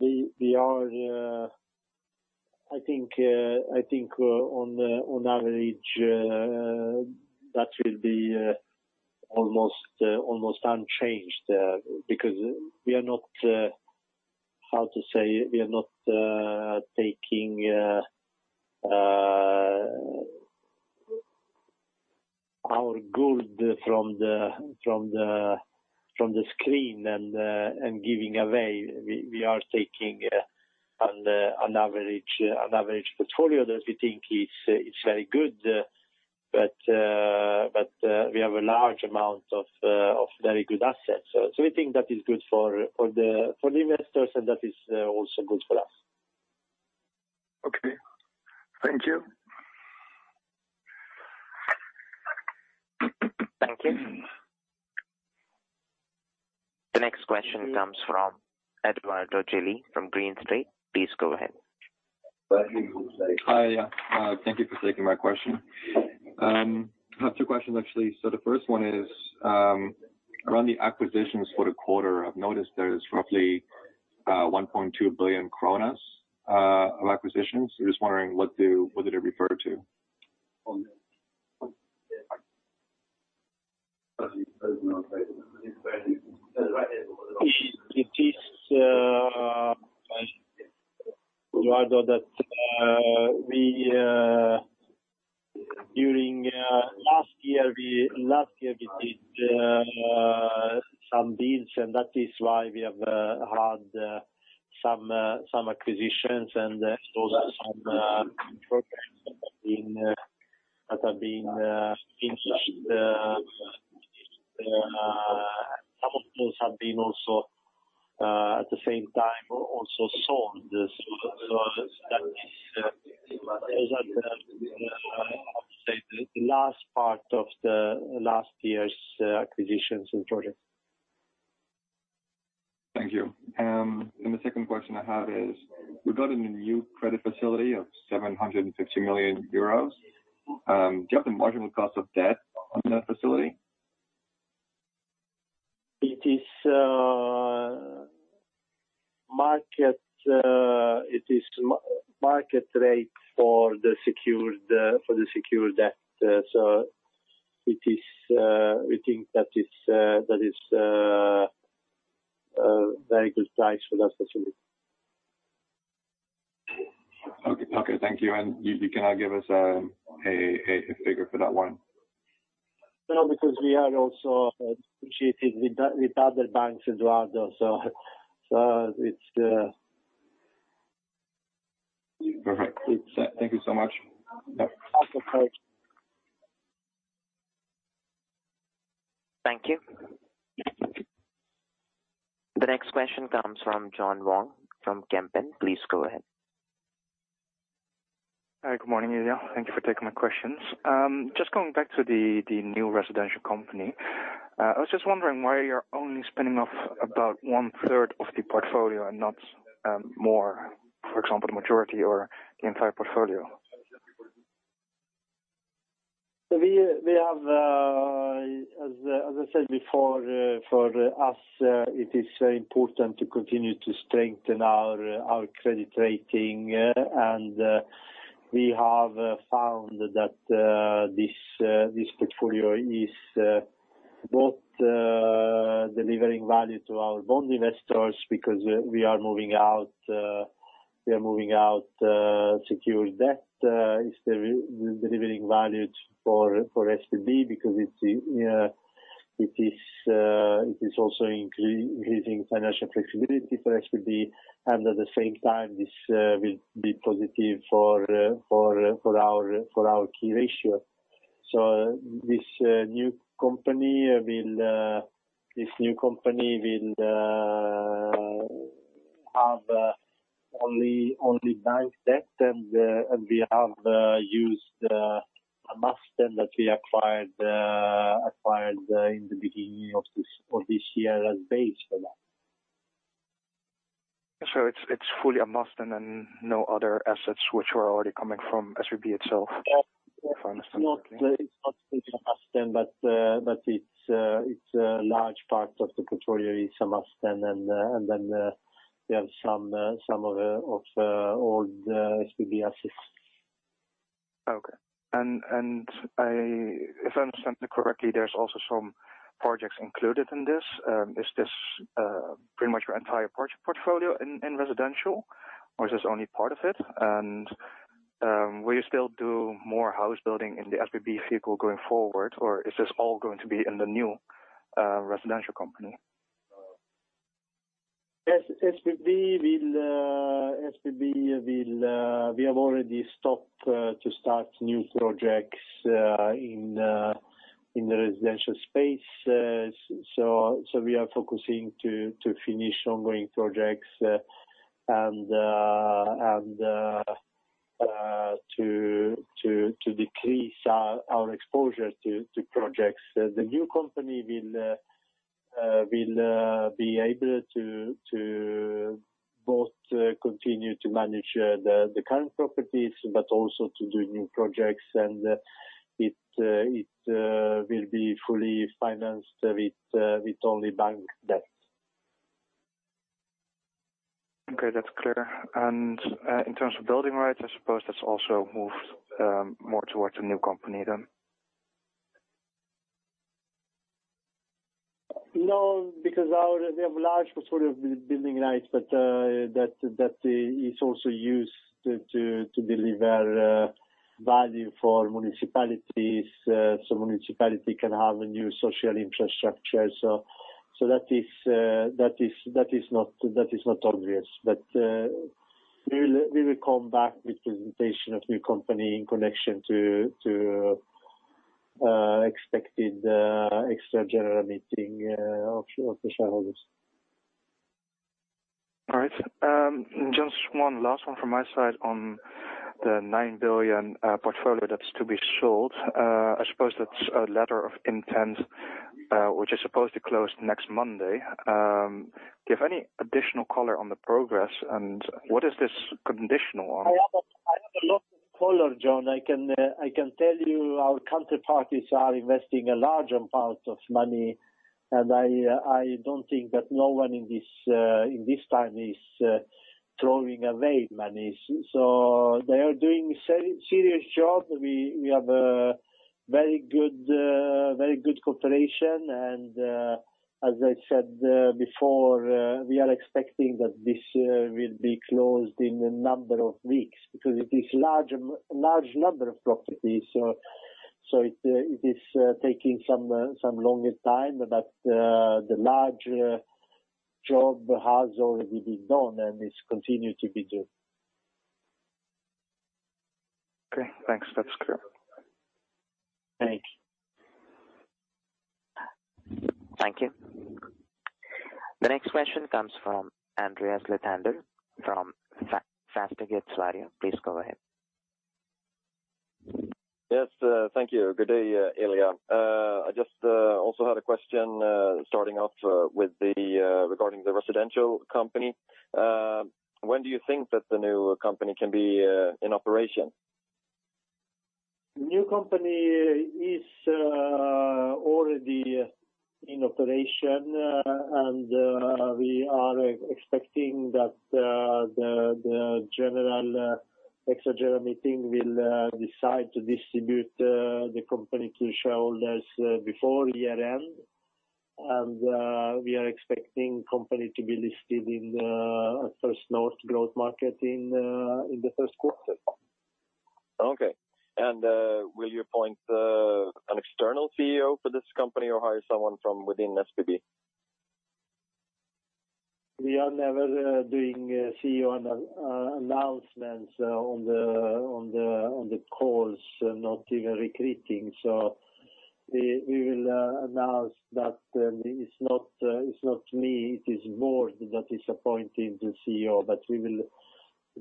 We are, I think, on average, that will be almost unchanged, because we are not, how to say, taking the good from the cream and giving away. We are taking an average portfolio that we think is very good. We have a large amount of very good assets. We think that is good for the investors, and that is also good for us. Okay. Thank you. Thank you. The next question comes from Edoardo Gili from Green Street. Please go ahead. Hi. Thank you for taking my question. I have two questions actually. The first one is around the acquisitions for the quarter. I've noticed there's roughly 1.2 billion kronor of acquisitions. Just wondering, what do they refer to? It is, Edoardo, that we during last year did some deals, and that is why we have had some acquisitions and also some programs that have been, some of those have been also at the same time also sold. That is how to say the last part of last year's acquisitions and projects. Thank you. The second question I have is, regarding the new credit facility of 750 million euros, do you have the marginal cost of debt on that facility? It is market rate for the secured debt. We think that is very good price for that facility. Okay. Thank you. You cannot give us a figure for that one? No, because we are also negotiating with other banks, Edoardo. It's. Perfect. Thank you so much. Okay. Thank you. The next question comes from John Wong from Kempen. Please go ahead. Hi, good morning, Ilija Batljan. Thank you for taking my questions. Just going back to the new residential company, I was just wondering why you're only spinning off about one-third of the portfolio and not more, for example, the majority or the entire portfolio. We have, as I said before, for us, it is important to continue to strengthen our credit rating. We have found that this portfolio is both delivering value to our bond investors because we are moving out secured debt delivering value for SBB because it is also increasing financial flexibility for SBB. At the same time, this will be positive for our key ratio. This new company will have only bank debt and we have used Amasten that we acquired in the beginning of this year as base for that. It's fully Amasten and no other assets which were already coming from SBB itself? Yeah. It's not fully Amasten, but it's a large part of the portfolio is Amasten. Then we have some of the old SBB assets. Okay. If I understand correctly, there's also some projects included in this. Is this pretty much your entire portfolio in residential? Or is this only part of it? Will you still do more house building in the SBB vehicle going forward, or is this all going to be in the new residential company? We have already stopped to start new projects in the residential space. So we are focusing to finish ongoing projects and to decrease our exposure to projects. The new company will be able to both continue to manage the current properties, but also to do new projects. It will be fully financed with only bank debts. Okay, that's clear. In terms of building rights, I suppose that's also moved more towards the new company then. No, because we have large portfolio building rights, but that is also used to deliver value for municipalities. Municipality can have a new social infrastructure. That is not obvious. But we will come back with presentation of new company in connection to expected extra general meeting of the shareholders. All right. Just one last one from my side on the 9 billion portfolio that's to be sold. I suppose that's a letter of intent, which is supposed to close next Monday. Do you have any additional color on the progress, and what is this conditional on? I have a lot of color, John. I can tell you our counterparties are investing a large amount of money, and I don't think that no one in this time is throwing away money. They are doing serious job. We have a very good cooperation. As I said before, we are expecting that this will be closed in a number of weeks. Because it is large number of properties, so it is taking some longer time. The large job has already been done and it's continued to be done. Okay, thanks. That's clear. Thank you. Thank you. The next question comes from Andreas Lithander from Fastighetssverige. Please go ahead. Yes, thank you. Good day, Ilija Batljan. I just also had a question starting off with regard to the residential company. When do you think that the new company can be in operation? New company is already in operation, and we are expecting that the extraordinary general meeting will decide to distribute the company to shareholders before year-end. We are expecting company to be listed in First North Growth Market in the first quarter. Okay. Will you appoint an external CEO for this company or hire someone from within SBB? We are never doing CEO announcements on the calls, not even recruiting. We will announce that it's not me, it is the board that is appointing the CEO.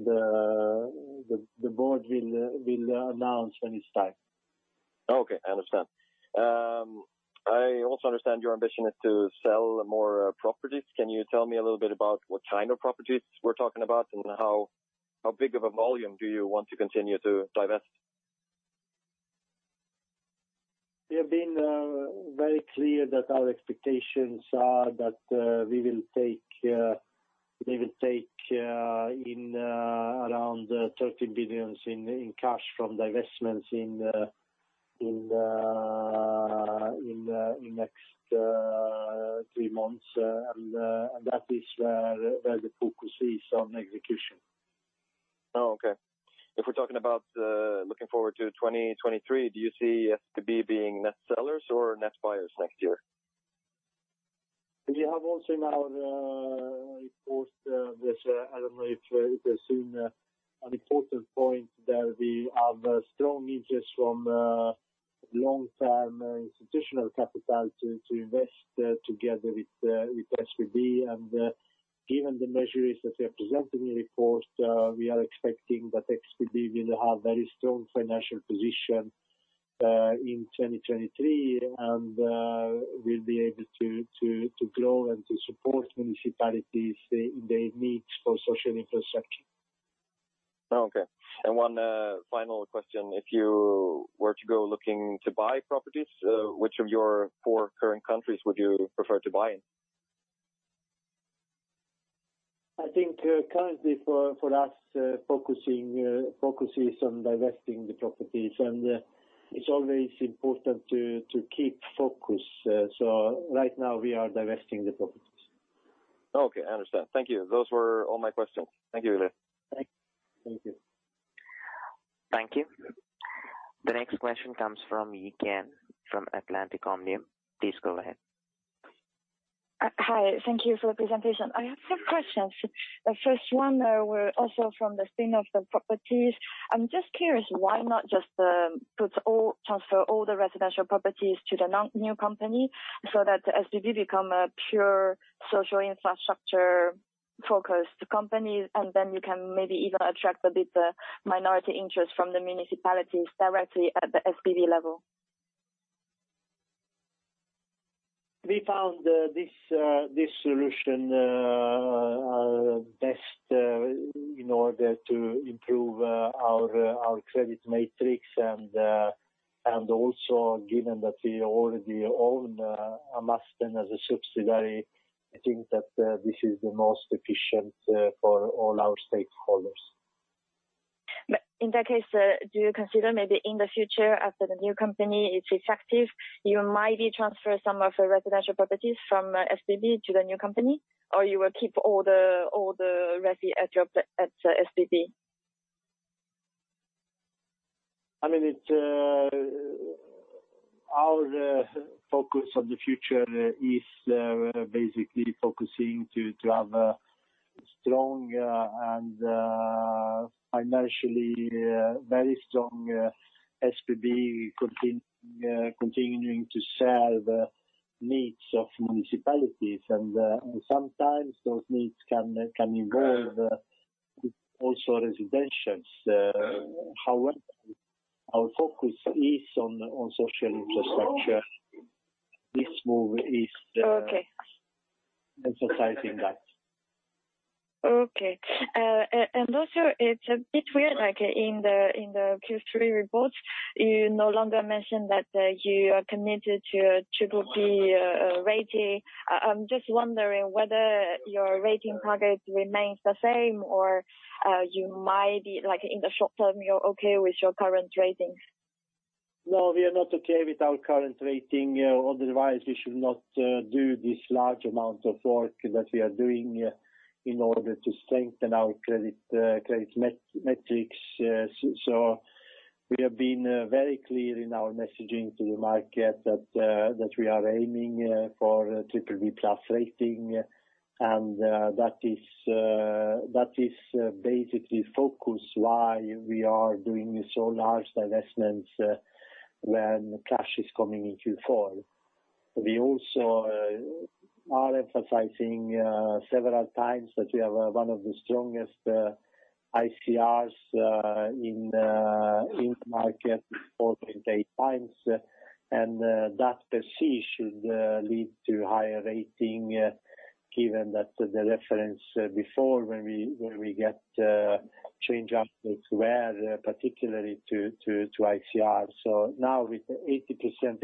The board will announce when it's time. Okay, I understand. I also understand your ambition is to sell more properties. Can you tell me a little bit about what kind of properties we're talking about and how big of a volume do you want to continue to divest? We have been very clear that our expectations are that we will take around 30 billion in cash from divestments in next three months. That is where the focus is on execution. Oh, okay. If we're talking about looking forward to 2023, do you see SBB being net sellers or net buyers next year? We have also now reported this. I don't know if you assume an important point that we have a strong interest from long-term institutional capital to invest together with SBB. Given the measures that we are presenting in the report, we are expecting that SBB will have very strong financial position in 2023, and we'll be able to grow and to support municipalities they need for social infrastructure. Okay. One final question. If you were to go looking to buy properties, which of your four current countries would you prefer to buy in? I think currently for us focus is on divesting the properties, and it's always important to keep focus. Right now we are divesting the properties. Okay, I understand. Thank you. Those were all my questions. Thank you, Ilija. Thank you. Thank you. The next question comes from Yi-Ken Kwan from Atlantique Omnium. Please go ahead. Hi. Thank you for the presentation. I have some questions. The first one were also from the spin-off of the properties. I'm just curious, why not just transfer all the residential properties to the new company so that SBB become a pure social infrastructure-focused company, and then you can maybe even attract a bit minority interest from the municipalities directly at the SBB level? We found this solution best in order to improve our credit metrics and also given that we already own Amasten as a subsidiary. I think that this is the most efficient for all our stakeholders. In that case, do you consider maybe in the future, after the new company is effective, you might transfer some of the residential properties from SBB to the new company? Or you will keep all the resi at SBB? I mean, it's our focus on the future is basically focusing to have a strong and financially very strong SBB continuing to serve needs of municipalities. Sometimes those needs can involve also residentials. However, our focus is on social infrastructure. This move is. Okay. Emphasizing that. It's a bit weird, like, in the Q3 reports, you no longer mention that you are committed to BBB rating. Just wondering whether your rating target remains the same or you might be like, in the short term, you're okay with your current ratings? No, we are not okay with our current rating. Otherwise we should not do this large amount of work that we are doing in order to strengthen our credit metrics. So we have been very clear in our messaging to the market that we are aiming for BBB+ rating. That is basically focus why we are doing so large divestments when cash is coming in Q4. We also are emphasizing several times that we have one of the strongest ICRs in the market, 4.8x. That per se should lead to higher rating given that the reference before when we get change outlook to where, particularly to ICR. Now with 80%,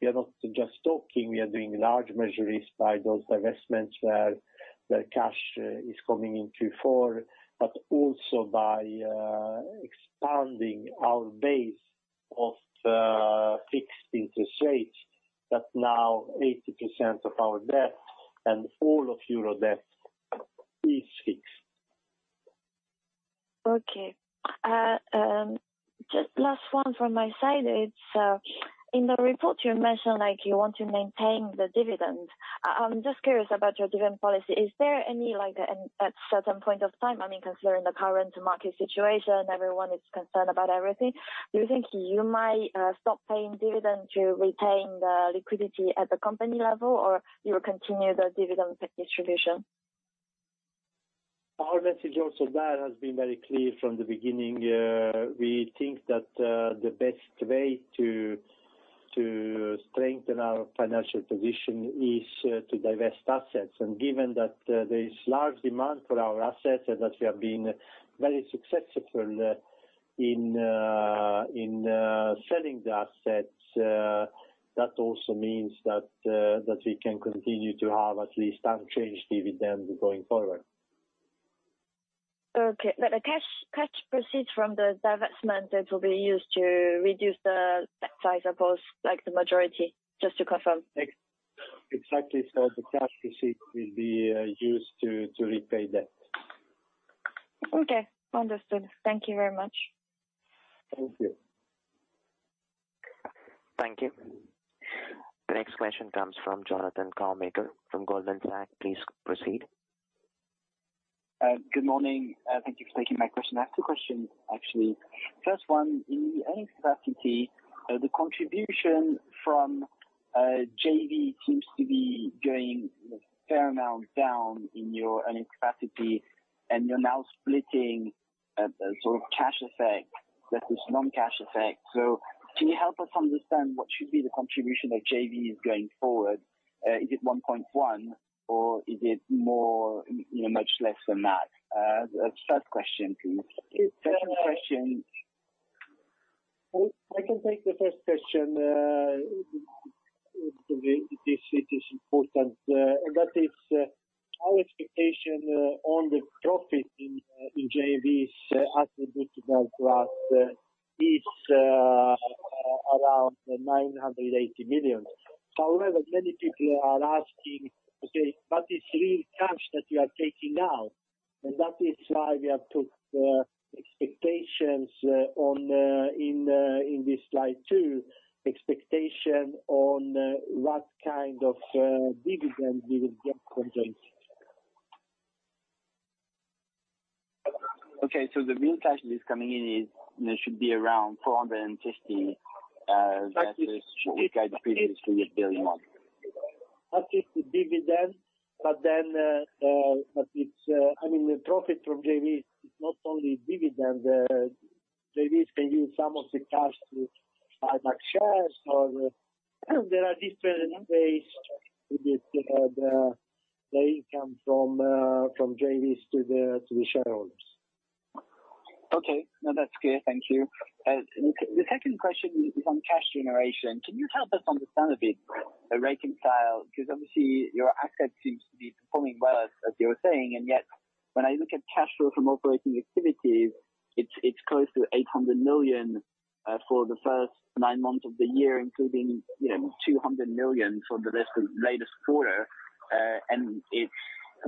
we are not just talking, we are doing large measures by those divestments where cash is coming in Q4, but also by expanding our base of fixed interest rates, that now 80% of our debt and all of euro debt is fixed. Okay. Just last one from my side. It's in the report you mentioned like you want to maintain the dividend. I'm just curious about your dividend policy. Is there any, like, at certain point of time, I mean, considering the current market situation, everyone is concerned about everything. Do you think you might stop paying dividend to retain the liquidity at the company level, or you will continue the dividend distribution? Our message has also been very clear from the beginning. We think that the best way to strengthen our financial position is to divest assets. Given that there is large demand for our assets and that we have been very successful in selling the assets, that also means that we can continue to have at least unchanged dividend going forward. Okay. The cash proceeds from the divestment, it will be used to reduce the debt size, I suppose, like the majority, just to confirm. Exactly. The cash received will be used to repay debt. Okay. Understood. Thank you very much. Thank you. Thank you. The next question comes from Jonathan Kownator from Goldman Sachs. Please proceed. Good morning. Thank you for taking my question. I have two questions, actually. First one, in earnings capacity, the contribution from JV seems to be going a fair amount down in your earnings capacity, and you're now splitting a sort of cash effect. That is non-cash effect. Can you help us understand what should be the contribution that JV is going forward? Is it 1.1, or is it more, you know, much less than that? That's first question please. Second question- I can take the first question. It is important, and that is our expectation on the profit in JVs is about 980 million. However, many people are asking, okay, but it's real cash that you are taking out, and that is why we have put expectations on in this slide two. Expectation on what kind of dividends we will get from them. Okay, the real cash that is coming in is, you know, should be around 450, that should guide the previous 3 billion mark. That is the dividend, but then it's, I mean, the profit from JVs is not only dividend. The JVs can use some of the cash to buy back shares or there are different ways with the income from JVs to the shareholders. Okay. No, that's clear. Thank you. The second question is on cash generation. Can you help us understand a bit, reconcile? Because obviously your assets seems to be performing well, as you were saying, and yet, when I look at cash flow from operating activities, it's close to 800 million for the first nine months of the year, including you know 200 million for the rest of latest quarter, and it's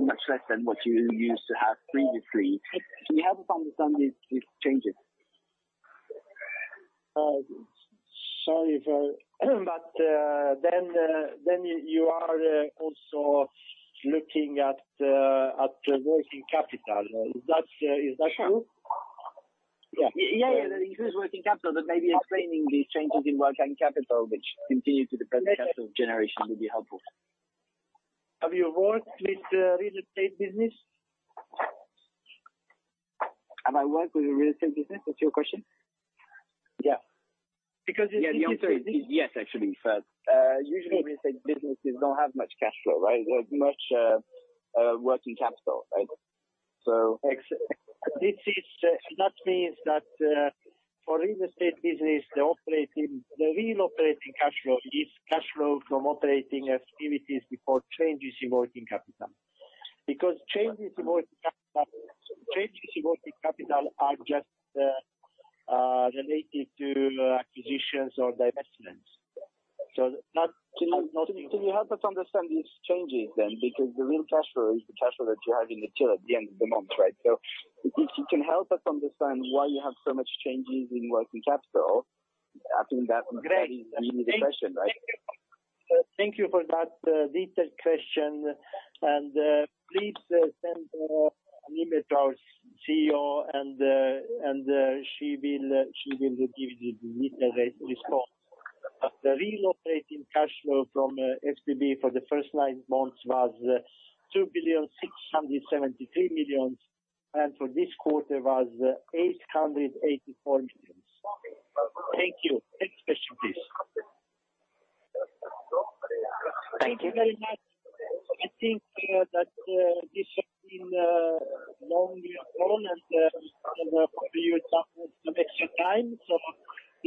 much less than what you used to have previously. Can you help us understand these changes? Sorry, but you are also looking at working capital. Is that true? Sure. Yeah. Yeah. The increase in working capital that may be explaining these changes in working capital, which continue to affect the present cash flow generation, will be helpful. Have you worked with the real estate business? Have I worked with the real estate business? That's your question? Yeah, because. Yeah, the answer is yes, actually. Usually real estate businesses don't have much cash flow, right? Like, much working capital, right? That means that for real estate business, the real operating cash flow is cash flow from operating activities before changes in working capital. Because changes in working capital are just related to acquisitions or divestments. Can you help us understand these changes then? Because the real cash flow is the cash flow that you have in the till at the end of the month, right? If you can help us understand why you have so much changes in working capital, I think that is really the question, right? Thank you for that detailed question, and please send an email to our CEO and she will give you the detailed response. The real operating cash flow from SBB for the first nine months was 2,673 million, and for this quarter was 884 million. Thank you. Next question, please. Thank you very much. I think that this has been a long call, and we have offered you some extra time.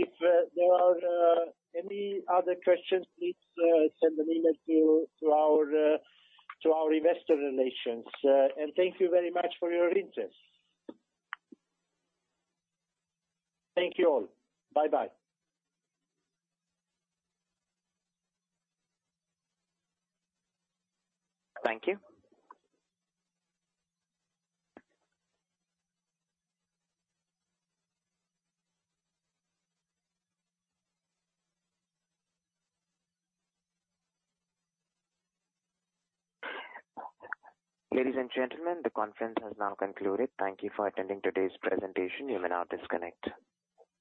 If there are any other questions, please send an email to our investor relations, and thank you very much for your interest. Thank you all. Bye-bye. Thank you. Ladies and gentlemen, the conference has now concluded. Thank you for attending today's presentation. You may now disconnect.